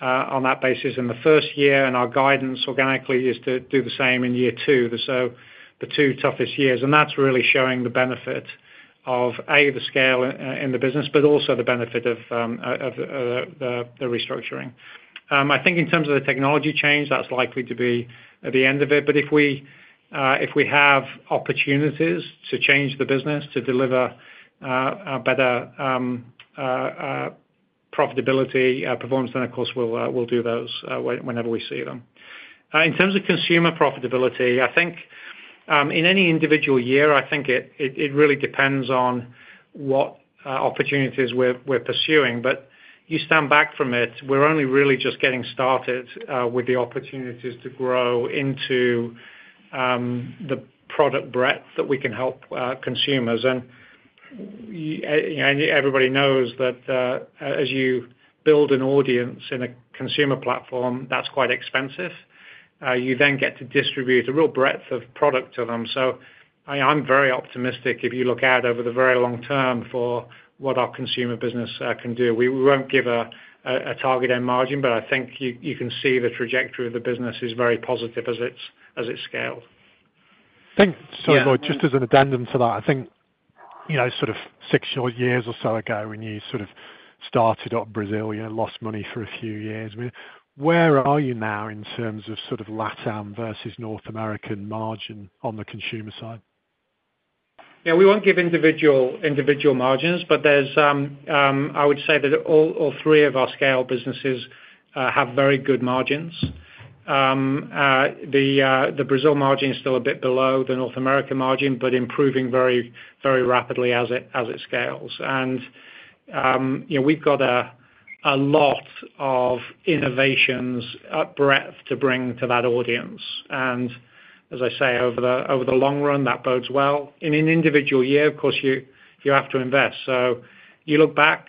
on that basis in the first year. Our guidance organically is to do the same in year two, the two toughest years. That is really showing the benefit of, A, the scale in the business, but also the benefit of the restructuring. I think in terms of the technology change, that is likely to be at the end of it. If we have opportunities to change the business to deliver better profitability performance, then of course, we will do those whenever we see them. In terms of consumer profitability, I think in any individual year, it really depends on what opportunities we are pursuing. You stand back from it, we're only really just getting started with the opportunities to grow into the product breadth that we can help consumers. Everybody knows that as you build an audience in a consumer platform, that's quite expensive. You then get to distribute a real breadth of product to them. I'm very optimistic if you look out over the very long term for what our consumer business can do. We won't give a target end margin, but I think you can see the trajectory of the business is very positive as it's scaled. Thanks. Sorry, Lloyd. Just as an addendum to that, I think sort of six or seven years or so ago when you sort of started up Brazil, lost money for a few years. Where are you now in terms of sort of Latin versus North American margin on the consumer side? Yeah. We won't give individual margins, but I would say that all three of our scale businesses have very good margins. The Brazil margin is still a bit below the North America margin, but improving very rapidly as it scales. We have got a lot of innovations at breadth to bring to that audience. As I say, over the long run, that bodes well. In an individual year, of course, you have to invest. You look back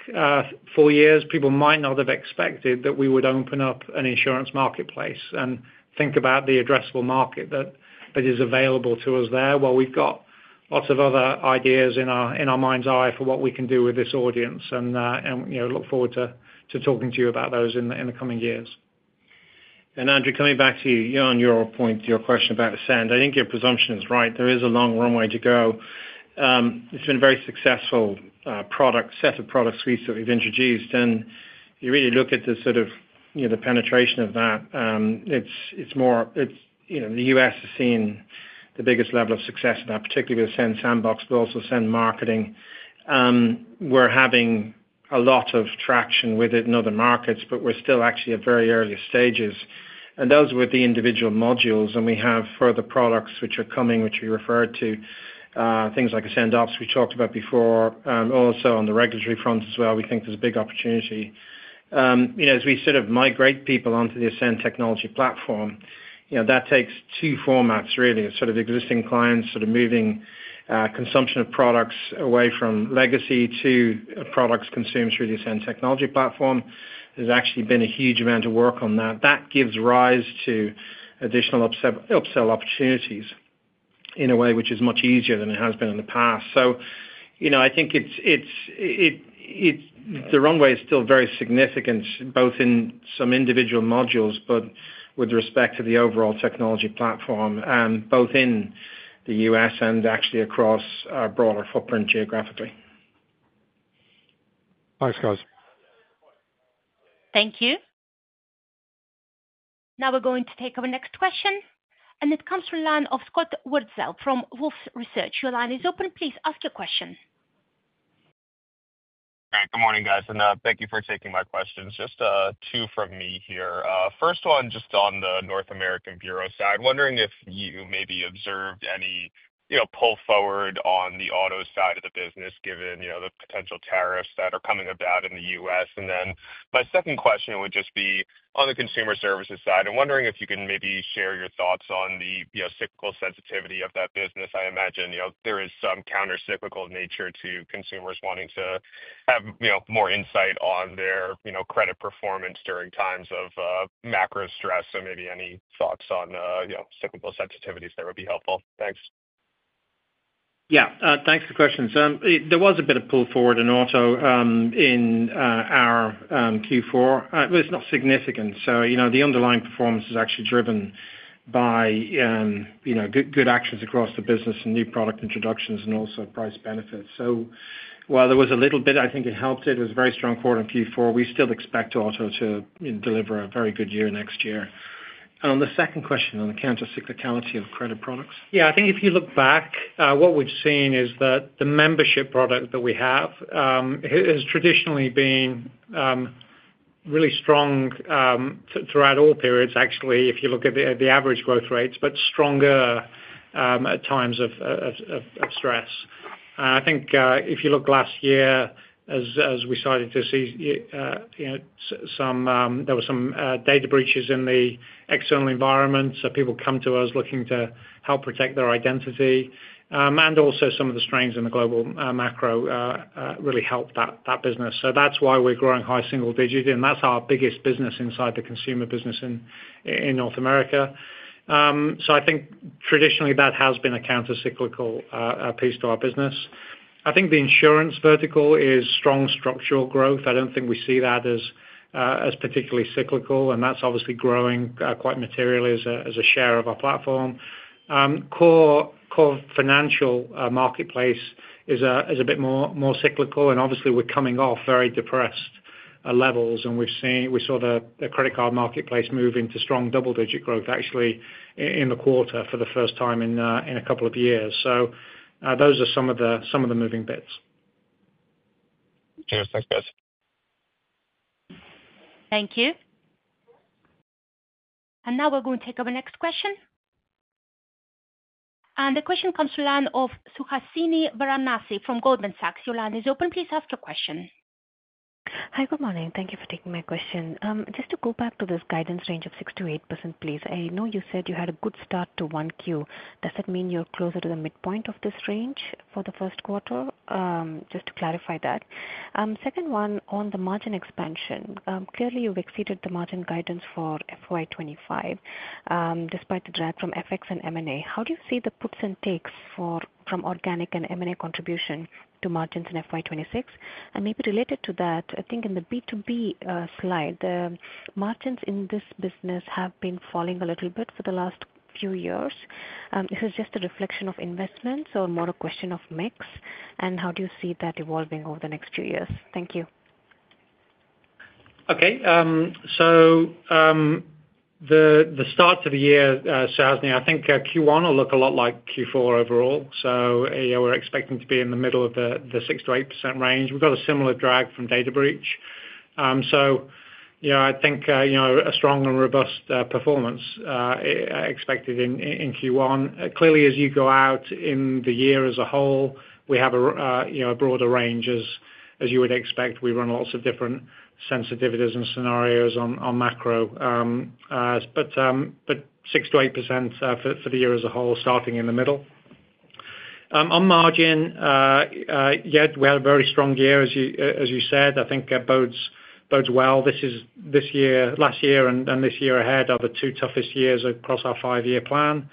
four years, people might not have expected that we would open up an insurance marketplace and think about the addressable market that is available to us there. We have got lots of other ideas in our mind's eye for what we can do with this audience. I look forward to talking to you about those in the coming years. Andrew, coming back to you on your point, your question about Ascend, I think your presumption is right. There is a long runway to go. It's been a very successful set of products recently we've introduced. You really look at the sort of the penetration of that, it's more the U.S. has seen the biggest level of success in that, particularly with Ascend Sandbox, but also Ascend Marketing. We're having a lot of traction with it in other markets, but we're still actually at very early stages. Those were the individual modules. We have further products which are coming, which we referred to, things like Ascend Ops we talked about before. Also on the regulatory front as well, we think there's a big opportunity. As we sort of migrate people onto the Ascend technology platform, that takes two formats, really. Sort of existing clients sort of moving consumption of products away from legacy to products consumed through the Ascend technology platform. There's actually been a huge amount of work on that. That gives rise to additional upsell opportunities in a way which is much easier than it has been in the past. I think the runway is still very significant, both in some individual modules, but with respect to the overall technology platform, both in the U.S. and actually across a broader footprint geographically. Thanks, guys. Thank you. Now we're going to take our next question. It comes from Scott Wurtzel from Wolfe Research. Your line is open. Please ask your question. All right. Good morning, guys. Thank you for taking my questions. Just two from me here. First one, just on the North American Bureau side, I'm wondering if you maybe observed any pull forward on the auto side of the business given the potential tariffs that are coming about in the U.S. My second question would just be on the consumer services side. I'm wondering if you can maybe share your thoughts on the cyclical sensitivity of that business. I imagine there is some countercyclical nature to consumers wanting to have more insight on their credit performance during times of macro stress. Maybe any thoughts on cyclical sensitivities that would be helpful. Thanks. Yeah. Thanks for the question. There was a bit of pull forward in auto in our Q4, but it's not significant. The underlying performance is actually driven by good actions across the business and new product introductions and also price benefits. While there was a little bit, I think it helped. It was a very strong quarter in Q4. We still expect auto to deliver a very good year next year. On the second question, on the countercyclicality of credit products. Yeah. I think if you look back, what we've seen is that the membership product that we have has traditionally been really strong throughout all periods, actually, if you look at the average growth rates, but stronger at times of stress. I think if you look last year, as we started to see some, there were some data breaches in the external environment. People come to us looking to help protect their identity. Also, some of the strains in the global macro really helped that business. That's why we're growing high single digit. That's our biggest business inside the consumer business in North America. I think traditionally that has been a countercyclical piece to our business. I think the insurance vertical is strong structural growth. I don't think we see that as particularly cyclical. That's obviously growing quite materially as a share of our platform. Core financial marketplace is a bit more cyclical. Obviously, we're coming off very depressed levels. We saw the credit card marketplace move into strong double-digit growth, actually, in the quarter for the first time in a couple of years. Those are some of the moving bits. Thanks, guys. Thank you. Now we're going to take our next question. The question comes from Suhasini Varanasi from Goldman Sachs. Your line is open. Please ask your question. Hi. Good morning. Thank you for taking my question. Just to go back to this guidance range of 6% to 8%, please. I know you said you had a good start to Q1. Does that mean you're closer to the midpoint of this range for the first quarter? Just to clarify that. Second one, on the margin expansion. Clearly, you've exceeded the margin guidance for FY 2025 despite the drag from FX and M&A. How do you see the puts and takes from organic and M&A contribution to margins in FY 2026? And maybe related to that, I think in the B2B slide, the margins in this business have been falling a little bit for the last few years. Is it just a reflection of investments or more a question of mix? And how do you see that evolving over the next few years? Thank you. Okay. So the start to the year, Sazney, I think Q1 will look a lot like Q4 overall. We're expecting to be in the middle of the 6-8% range. We've got a similar drag from data breach. I think a strong and robust performance is expected in Q1. Clearly, as you go out in the year as a whole, we have a broader range as you would expect. We run lots of different sensitivities and scenarios on macro. But 6% to 8% for the year as a whole, starting in the middle. On margin, yeah, we had a very strong year, as you said. I think it bodes well. This year, last year, and this year ahead are the two toughest years across our five-year plan.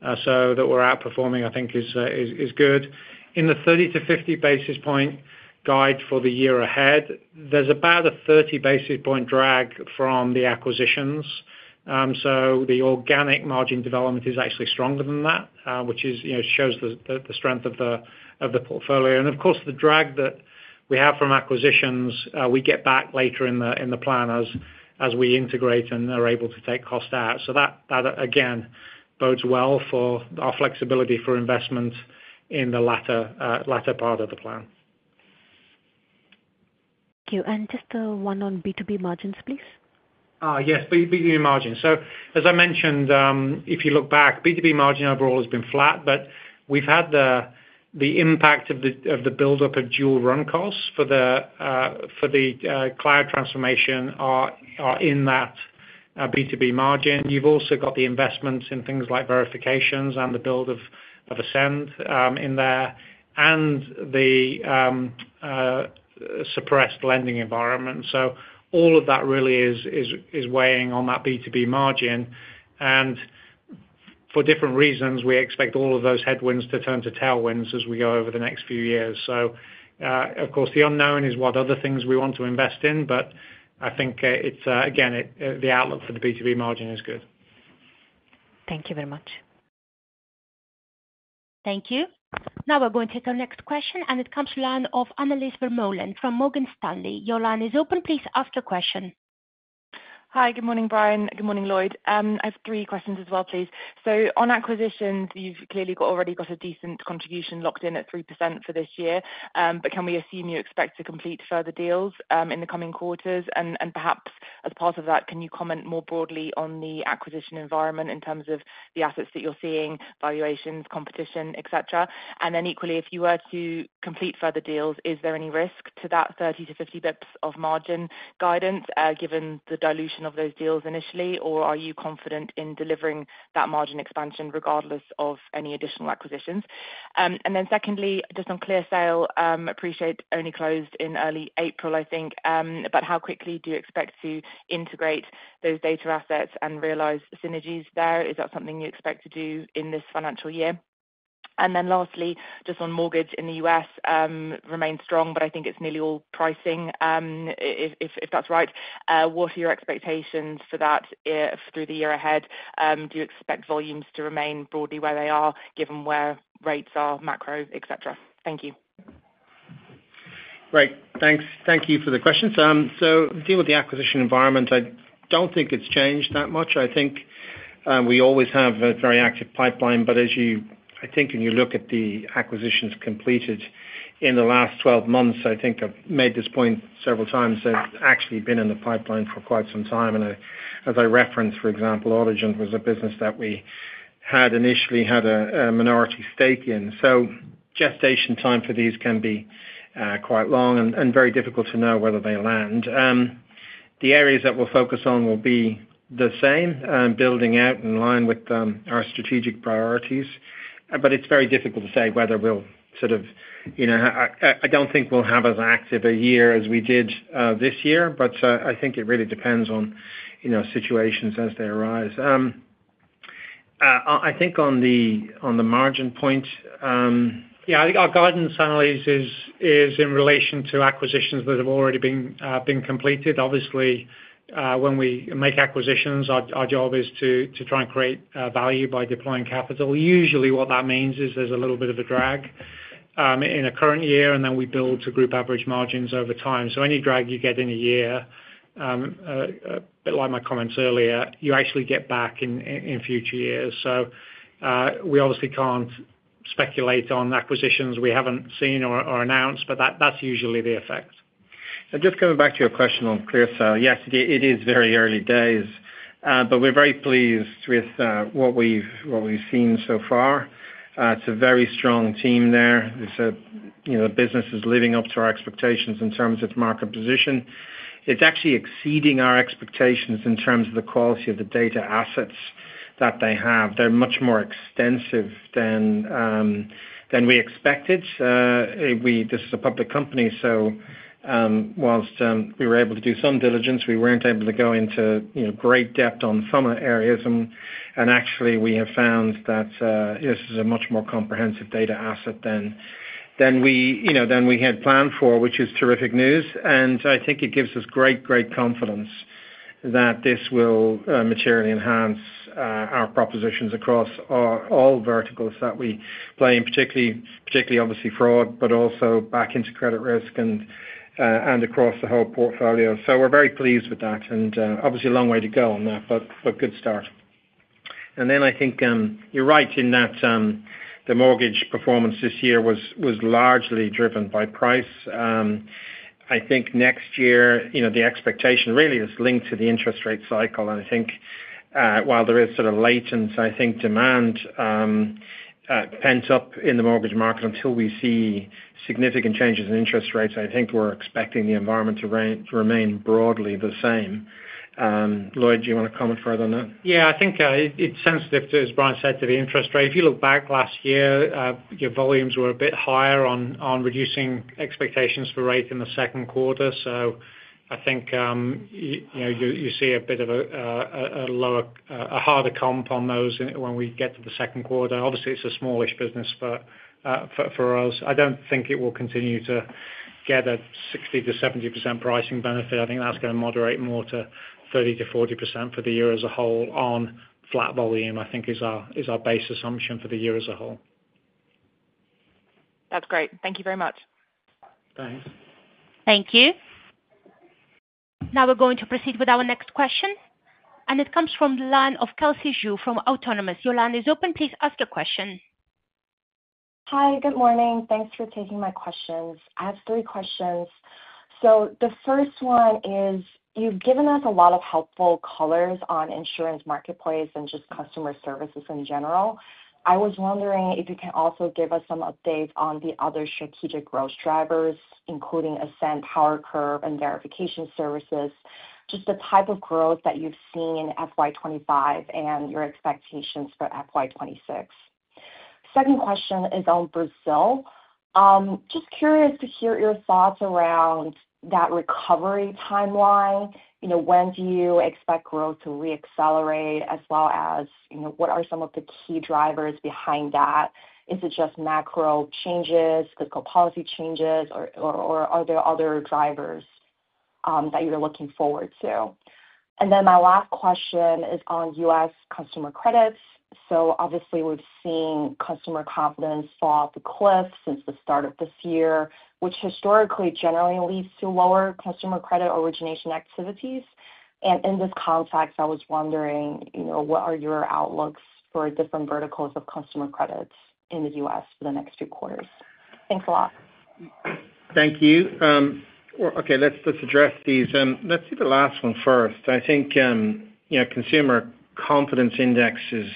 That we're outperforming, I think, is good. In the 30 to 50 basis point guide for the year ahead, there's about a 30 basis point drag from the acquisitions. The organic margin development is actually stronger than that, which shows the strength of the portfolio. Of course, the drag that we have from acquisitions, we get back later in the plan as we integrate and are able to take cost out. That, again, bodes well for our flexibility for investment in the latter part of the plan. Thank you. Just one on B2B margins, please. Yes. B2B margins. As I mentioned, if you look back, B2B margin overall has been flat. We have had the impact of the buildup of dual run costs for the cloud transformation in that B2B margin. You have also got the investments in things like verifications and the build of Ascend in there and the suppressed lending environment. All of that really is weighing on that B2B margin. For different reasons, we expect all of those headwinds to turn to tailwinds as we go over the next few years. Of course, the unknown is what other things we want to invest in. I think, again, the outlook for the B2B margin is good. Thank you very much. Thank you. Now we're going to take our next question. It comes from Annelies Vermeulen from Morgan Stanley. Your line is open. Please ask your question. Hi. Good morning, Brian. Good morning, Lloyd. I have three questions as well, please. On acquisitions, you've clearly already got a decent contribution locked in at 3% for this year. Can we assume you expect to complete further deals in the coming quarters? Perhaps as part of that, can you comment more broadly on the acquisition environment in terms of the assets that you're seeing, valuations, competition, et cetera.? Equally, if you were to complete further deals, is there any risk to that 30 to 50 basis points of margin guidance given the dilution of those deals initially? Or are you confident in delivering that margin expansion regardless of any additional acquisitions? Secondly, just on ClearSale, appreciate only closed in early April, I think. How quickly do you expect to integrate those data assets and realize synergies there? Is that something you expect to do in this financial year? Lastly, just on mortgage in the U.S., remains strong, but I think it's nearly all pricing, if that's right. What are your expectations for that through the year ahead? Do you expect volumes to remain broadly where they are given where rates are, macro, etc.? Thank you. Great. Thanks. Thank you for the questions. To deal with the acquisition environment, I do not think it has changed that much. I think we always have a very active pipeline. I think when you look at the acquisitions completed in the last 12 months, I have made this point several times, they have actually been in the pipeline for quite some time. As I referenced, for example, Audigent was a business that we had initially had a minority stake in. Gestation time for these can be quite long and very difficult to know whether they land. The areas that we will focus on will be the same, building out in line with our strategic priorities. It's very difficult to say whether we'll sort of, I don't think we'll have as active a year as we did this year. I think it really depends on situations as they arise. I think on the margin point, yeah, I think our guidance analysis is in relation to acquisitions that have already been completed. Obviously, when we make acquisitions, our job is to try and create value by deploying capital. Usually, what that means is there's a little bit of a drag in a current year, and then we build to group average margins over time. Any drag you get in a year, a bit like my comments earlier, you actually get back in future years. We obviously can't speculate on acquisitions we haven't seen or announced, but that's usually the effect. Just coming back to your question on ClearSale, yes, it is very early days. We are very pleased with what we've seen so far. It is a very strong team there. The business is living up to our expectations in terms of market position. It's actually exceeding our expectations in terms of the quality of the data assets that they have. They are much more extensive than we expected. This is a public company. Whilst we were able to do some diligence, we were not able to go into great depth on some areas. Actually, we have found that this is a much more comprehensive data asset than we had planned for, which is terrific news. I think it gives us great, great confidence that this will materially enhance our propositions across all verticals that we play, particularly obviously fraud, but also back into credit risk and across the whole portfolio. We are very pleased with that. Obviously, a long way to go on that, but good start. I think you are right in that the mortgage performance this year was largely driven by price. I think next year, the expectation really is linked to the interest rate cycle. While there is sort of latent, I think demand pent up in the mortgage market, until we see significant changes in interest rates, I think we are expecting the environment to remain broadly the same. Lloyd, do you want to comment further on that? Yeah. I think it is sensitive to, as Brian said, to the interest rate. If you look back last year, your volumes were a bit higher on reducing expectations for rate in the second quarter. I think you see a bit of a lower, a harder comp on those when we get to the second quarter. Obviously, it's a smallish business for us, I don't think it will continue to get a 60% to 70% pricing benefit. I think that's going to moderate more to 30% to 40% for the year as a whole on flat volume, I think, is our base assumption for the year as a whole. That's great. Thank you very much. Thanks. Thank you. Now we're going to proceed with our next question. It comes from Kelsey Zhu from Autonomous. Your line is open. Please ask your question. Hi. Good morning. Thanks for taking my questions. I have three questions. The first one is you've given us a lot of helpful colors on insurance marketplace and just customer services in general. I was wondering if you can also give us some updates on the other strategic growth drivers, including Ascend, PowerCurve, and verification services, just the type of growth that you've seen in FY 2025 and your expectations for FY 2026. Second question is on Brazil. Just curious to hear your thoughts around that recovery timeline. When do you expect growth to reaccelerate, as well as what are some of the key drivers behind that? Is it just macro changes, fiscal policy changes, or are there other drivers that you're looking forward to? My last question is on U.S. customer credits. Obviously, we've seen customer confidence fall off the cliff since the start of this year, which historically generally leads to lower customer credit origination activities. In this context, I was wondering, what are your outlooks for different verticals of customer credits in the U.S. for the next few quarters? Thanks a lot. Thank you. Okay. Let's address these. Let's do the last one first. I think consumer confidence indexes,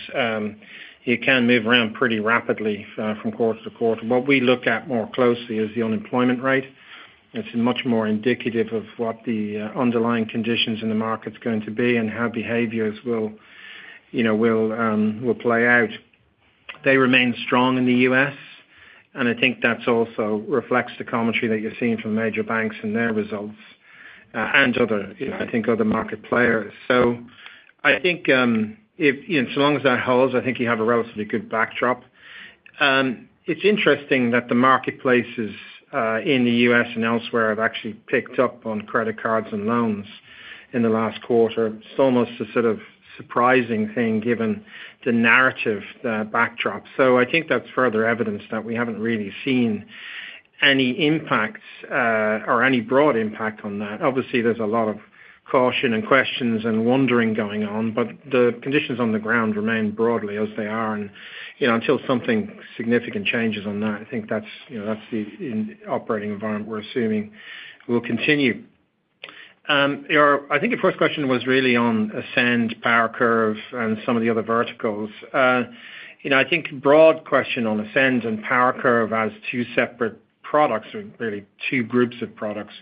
it can move around pretty rapidly from quarter to quarter. What we look at more closely is the unemployment rate. It's much more indicative of what the underlying conditions in the markets are going to be and how behaviors will play out. They remain strong in the U.S. I think that also reflects the commentary that you're seeing from major banks and their results and, I think, other market players. I think as long as that holds, you have a relatively good backdrop. It's interesting that the marketplaces in the U.S. and elsewhere have actually picked up on credit cards and loans in the last quarter. It's almost a sort of surprising thing given the narrative backdrop. I think that's further evidence that we haven't really seen any impacts or any broad impact on that. Obviously, there's a lot of caution and questions and wondering going on. The conditions on the ground remain broadly as they are. Until something significant changes on that, I think that's the operating environment we're assuming will continue. I think your first question was really on Ascend, PowerCurve, and some of the other verticals. I think broad question on Ascend and PowerCurve as two separate products, really two groups of products,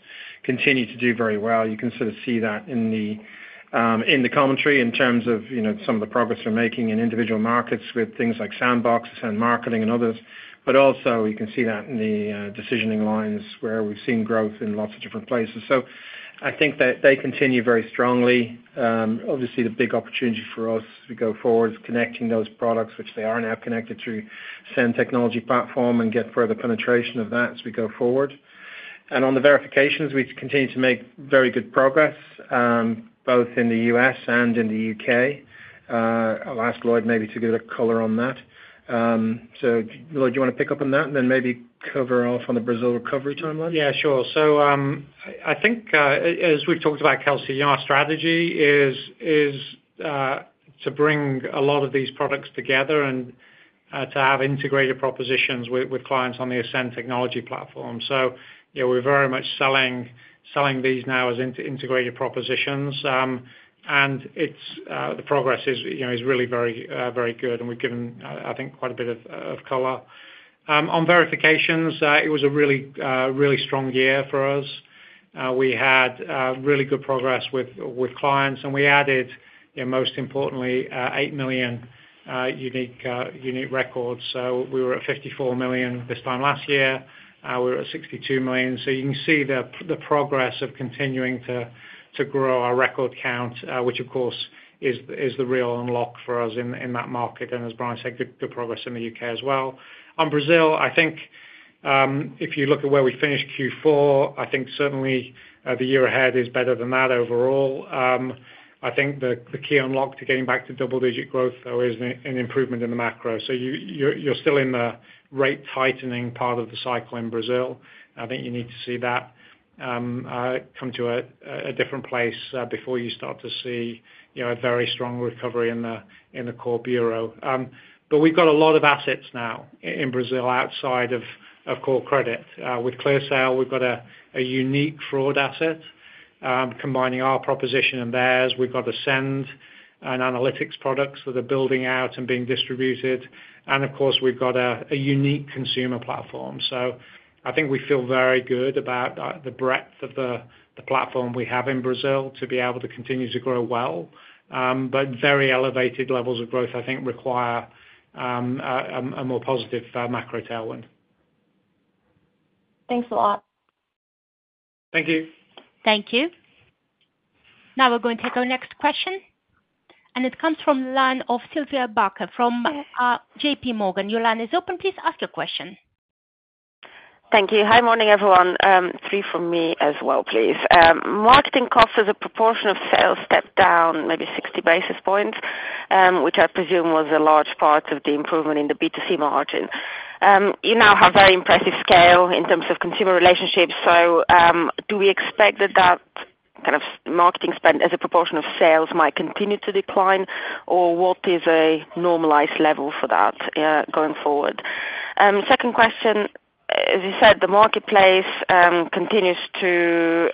continue to do very well. You can sort of see that in the commentary in terms of some of the progress we're making in individual markets with things like sandboxes, and marketing, and others. You can also see that in the decisioning lines where we've seen growth in lots of different places. I think that they continue very strongly. Obviously, the big opportunity for us as we go forward is connecting those products, which they are now connected to Ascend Technology Platform, and get further penetration of that as we go forward. On the verifications, we continue to make very good progress both in the U.S. and in the U.K. I'll ask Lloyd maybe to give a color on that. Lloyd, do you want to pick up on that and then maybe cover off on the Brazil recovery timeline? Yeah, sure. I think as we've talked about, Kelsey, our strategy is to bring a lot of these products together and to have integrated propositions with clients on the Ascend Technology Platform. We're very much selling these now as integrated propositions. The progress is really very good. We've given, I think, quite a bit of color. On verifications, it was a really strong year for us. We had really good progress with clients. We added, most importantly, 8 million unique records. We were at 54 million this time last year. We were at 62 million. You can see the progress of continuing to grow our record count, which, of course, is the real unlock for us in that market as Brian said, good progress in the U.K. as well. On Brazil, I think if you look at where we finished Q4, I think certainly the year ahead is better than that overall. I think the key unlock to getting back to double-digit growth, though, is an improvement in the macro. You are still in the rate tightening part of the cycle in Brazil. I think you need to see that come to a different place before you start to see a very strong recovery in the core bureau. We have got a lot of assets now in Brazil outside of core credit. With ClearSale, we have got a unique fraud asset combining our proposition and theirs. We have got Ascend and analytics products that are building out and being distributed. Of course, we have got a unique consumer platform. I think we feel very good about the breadth of the platform we have in Brazil to be able to continue to grow well. Very elevated levels of growth, I think, require a more positive macro tailwind. Thanks a lot. Thank you. Thank you. Now we're going to take our next question. It comes from Sylvia Barker from JPMorgan. Your line is open. Please ask your question. Thank you. Hi, morning, everyone. Three from me as well, please. Marketing costs as a proportion of sales stepped down maybe 60 basis points, which I presume was a large part of the improvement in the B2C margin. You now have very impressive scale in terms of consumer relationships. Do we expect that that kind of marketing spend as a proportion of sales might continue to decline, or what is a normalized level for that going forward? Second question, as you said, the marketplace continues to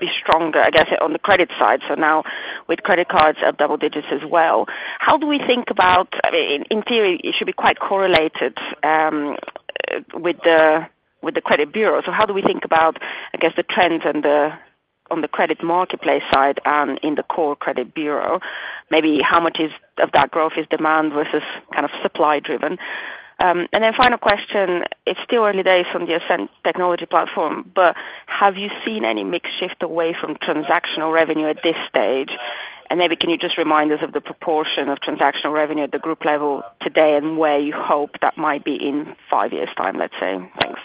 be stronger, I guess, on the credit side. Now with credit cards at double digits as well. How do we think about, I mean, in theory, it should be quite correlated with the credit bureau. How do we think about, I guess, the trends on the credit marketplace side and in the core credit bureau? Maybe how much of that growth is demand versus kind of supply-driven? Final question, it's still early days on the Ascend Technology Platform, but have you seen any mixed shift away from transactional revenue at this stage? Maybe can you just remind us of the proportion of transactional revenue at the group level today and where you hope that might be in five years' time, let's say? Thanks.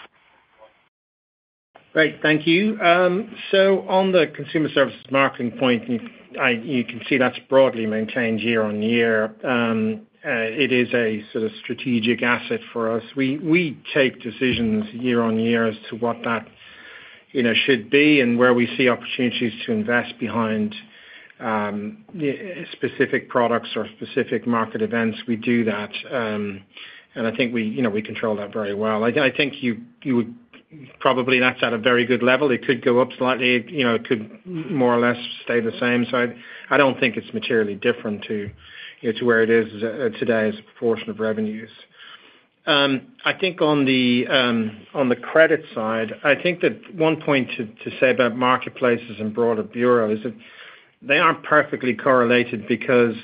Great. Thank you. On the consumer services marketing point, you can see that's broadly maintained year on year. It is a sort of strategic asset for us. We take decisions year on year as to what that should be and where we see opportunities to invest behind specific products or specific market events. We do that. I think we control that very well. I think you would probably nod at a very good level. It could go up slightly. It could more or less stay the same. I do not think it's materially different to where it is today as a proportion of revenues. I think on the credit side, one point to say about marketplaces and broader bureau is that they are not perfectly correlated because,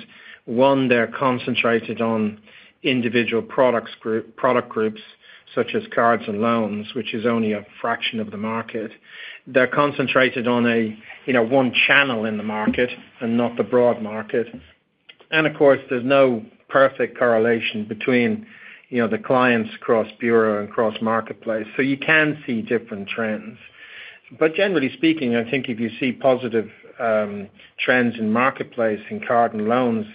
one, they are concentrated on individual product groups such as cards and loans, which is only a fraction of the market. They're concentrated on one channel in the market and not the broad market. Of course, there's no perfect correlation between the clients across bureau and across marketplace. You can see different trends. Generally speaking, I think if you see positive trends in marketplace in card and loans,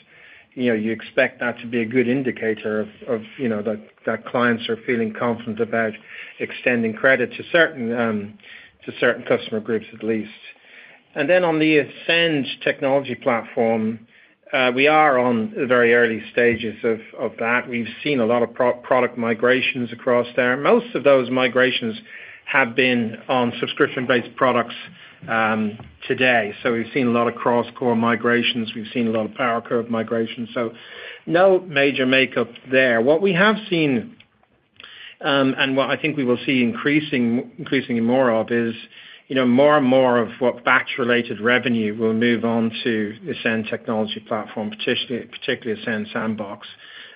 you expect that to be a good indicator that clients are feeling confident about extending credit to certain customer groups, at least. On the Ascend Technology Platform, we are in the very early stages of that. We've seen a lot of product migrations across there. Most of those migrations have been on subscription-based products today. We've seen a lot of cross-core migrations. We've seen a lot of PowerCurve migrations. No major makeup there. What we have seen, and what I think we will see increasingly more of, is more and more of what batch-related revenue will move on to Ascend Technology Platform, particularly Ascend Sandbox.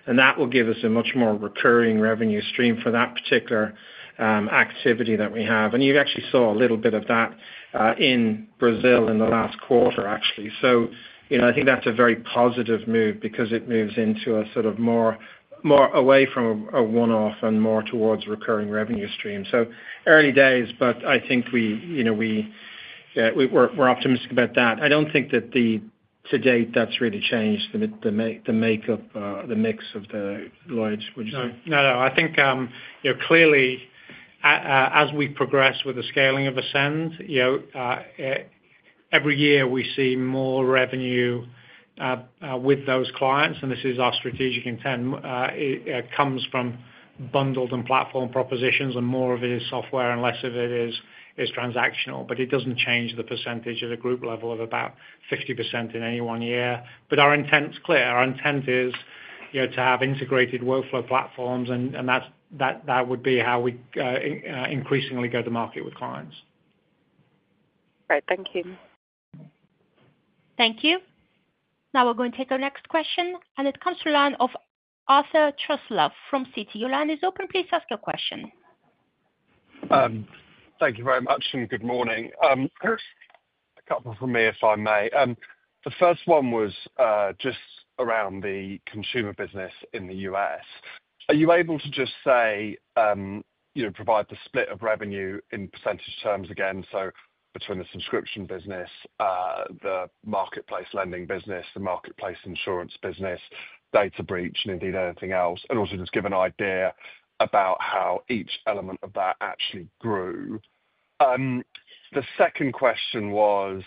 That will give us a much more recurring revenue stream for that particular activity that we have. You actually saw a little bit of that in Brazil in the last quarter, actually. I think that's a very positive move because it moves into a sort of more away from a one-off and more towards recurring revenue stream. Early days, but I think we're optimistic about that. I don't think that to date that's really changed the makeup, the mix of the Lloyds, would you say? No, no. I think clearly, as we progress with the scaling of Ascend, every year we see more revenue with those clients. This is our strategic intent. It comes from bundled and platform propositions, and more of it is software and less of it is transactional. It does not change the percentage at a group level of about 50% in any one year. Our intent is clear. Our intent is to have integrated workflow platforms, and that would be how we increasingly go to market with clients. Great. Thank you. Thank you. Now we are going to take our next question. It comes from Lyon of Arthur Truslove from Citi. Your line is open. Please ask your question. Thank you very much, and good morning. A couple from me, if I may. The first one was just around the consumer business in the US. Are you able to just say, provide the split of revenue in % terms again? Between the subscription business, the marketplace lending business, the marketplace insurance business, data breach, and indeed anything else, also just give an idea about how each element of that actually grew. The second question was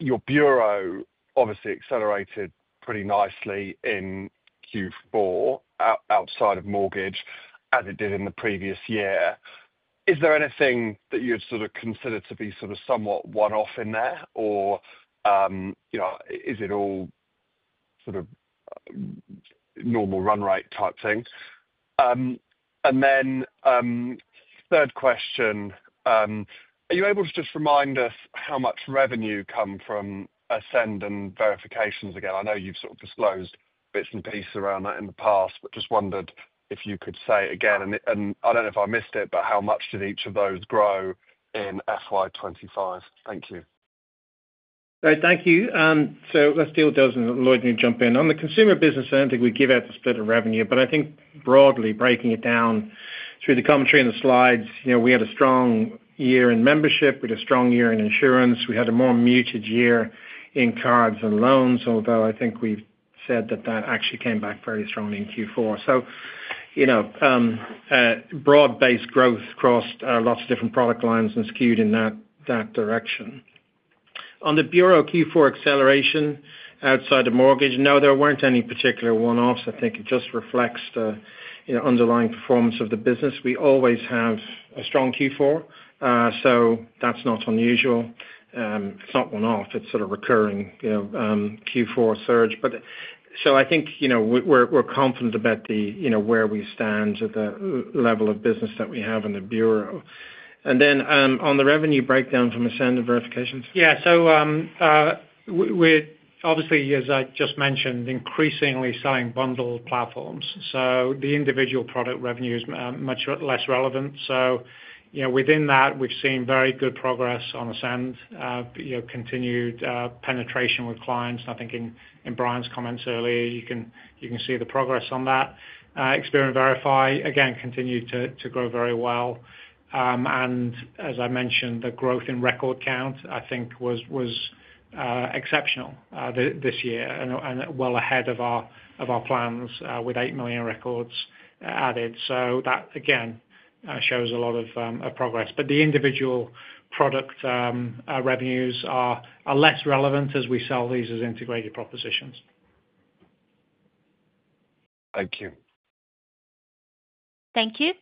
your bureau obviously accelerated pretty nicely in Q4 outside of mortgage, as it did in the previous year. Is there anything that you'd sort of consider to be somewhat one-off in there, or is it all sort of normal run rate type thing? The third question, are you able to just remind us how much revenue comes from Ascend and verifications again? I know you've sort of disclosed bits and pieces around that in the past, but just wondered if you could say it again. I don't know if I missed it, but how much did each of those grow in FY 2025? Thank you. Great. Thank you. Let's deal with those, and Lloyd can jump in. On the consumer business end, I think we give out the split of revenue. I think broadly, breaking it down through the commentary and the slides, we had a strong year in membership. We had a strong year in insurance. We had a more muted year in cards and loans, although I think we've said that that actually came back fairly strongly in Q4. Broad-based growth across lots of different product lines and skewed in that direction. On the bureau Q4 acceleration outside of mortgage, no, there weren't any particular one-offs. I think it just reflects the underlying performance of the business. We always have a strong Q4, so that's not unusual. It's not one-off. It's sort of recurring Q4 surge. I think we're confident about where we stand at the level of business that we have in the bureau. On the revenue breakdown from Ascend and verifications? Yeah. We're obviously, as I just mentioned, increasingly selling bundled platforms. The individual product revenue is much less relevant. Within that, we've seen very good progress on Ascend, continued penetration with clients. I think in Brian's comments earlier, you can see the progress on that. Experian Verify, again, continued to grow very well. As I mentioned, the growth in record count, I think, was exceptional this year and well ahead of our plans with 8 million records added. That, again, shows a lot of progress. The individual product revenues are less relevant as we sell these as integrated propositions. Thank you. Thank you.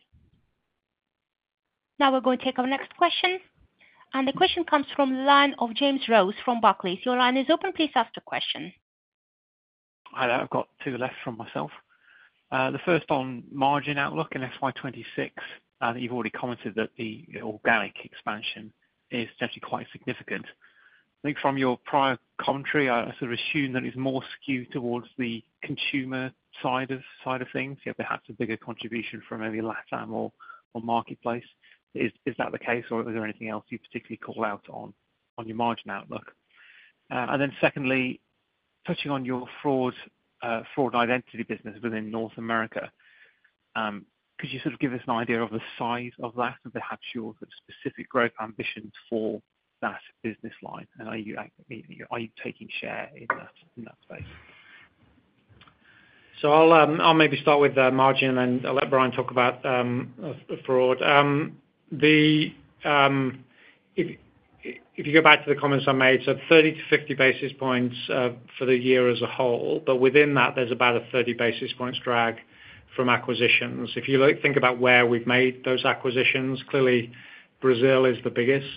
Now we're going to take our next question. The question comes from James Rose from Barclays. Your line is open. Please ask the question. Hi, there. I've got two left from myself. The first on margin outlook in FY 2026, and you've already commented that the organic expansion is actually quite significant. I think from your prior commentary, I sort of assumed that it's more skewed towards the consumer side of things. Perhaps a bigger contribution from maybe Latin America or marketplace. Is that the case, or is there anything else you particularly call out on your margin outlook? Secondly, touching on your fraud identity business within North America, could you sort of give us an idea of the size of that and perhaps your specific growth ambitions for that business line? Are you taking share in that space? I'll maybe start with margin, and then I'll let Brian talk about fraud. If you go back to the comments I made, 30 to 50 basis points for the year as a whole. Within that, there's about a 30 basis points drag from acquisitions. If you think about where we've made those acquisitions, clearly, Brazil is the biggest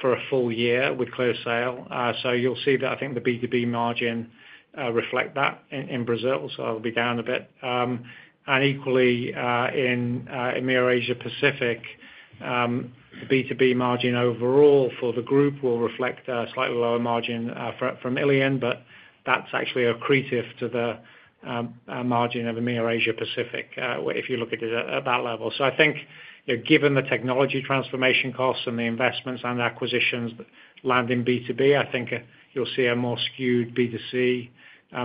for a full year with ClearSale. You'll see that I think the B2B margin reflects that in Brazil. It will be down a bit. Equally, in EMEA Asia Pacific, the B2B margin overall for the group will reflect a slightly lower margin from Ilion, but that's actually accretive to the margin of EMEA Asia Pacific if you look at it at that level. I think given the technology transformation costs and the investments and acquisitions land in B2B, you'll see a more skewed B2C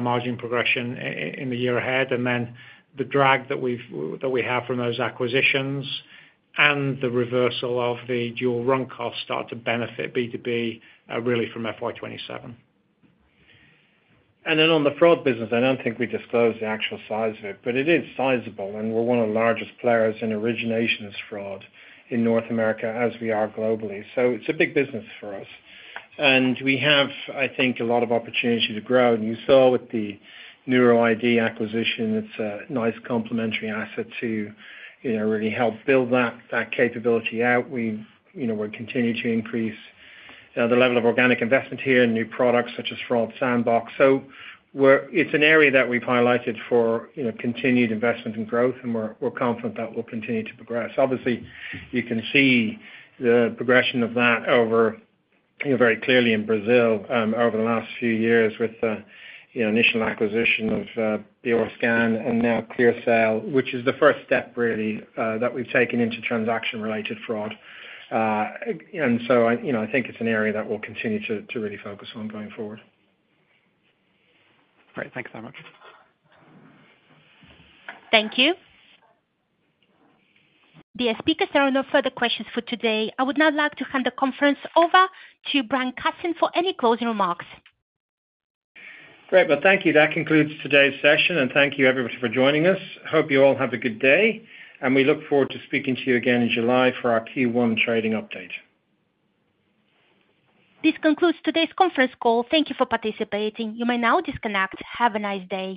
margin progression in the year ahead. The drag that we have from those acquisitions and the reversal of the dual-run costs start to benefit B2B really from FY 2027. On the fraud business, I do not think we disclose the actual size of it, but it is sizable, and we are one of the largest players in originations fraud in North America as we are globally. It is a big business for us. We have, I think, a lot of opportunity to grow. You saw with the NeuroID acquisition, it is a nice complementary asset to really help build that capability out. We will continue to increase the level of organic investment here in new products such as Fraud Sandbox. It is an area that we have highlighted for continued investment and growth, and we are confident that will continue to progress. Obviously, you can see the progression of that very clearly in Brazil over the last few years with the initial acquisition of BeyondScan and now ClearSale, which is the first step really that we've taken into transaction-related fraud. I think it's an area that we'll continue to really focus on going forward. Great. Thanks so much. Thank you. Dear speakers, there are no further questions for today. I would now like to hand the conference over to Brian Cassin for any closing remarks. Great. Thank you. That concludes today's session, and thank you everybody for joining us. Hope you all have a good day, and we look forward to speaking to you again in July for our Q1 trading update. This concludes today's conference call. Thank you for participating. You may now disconnect. Have a nice day.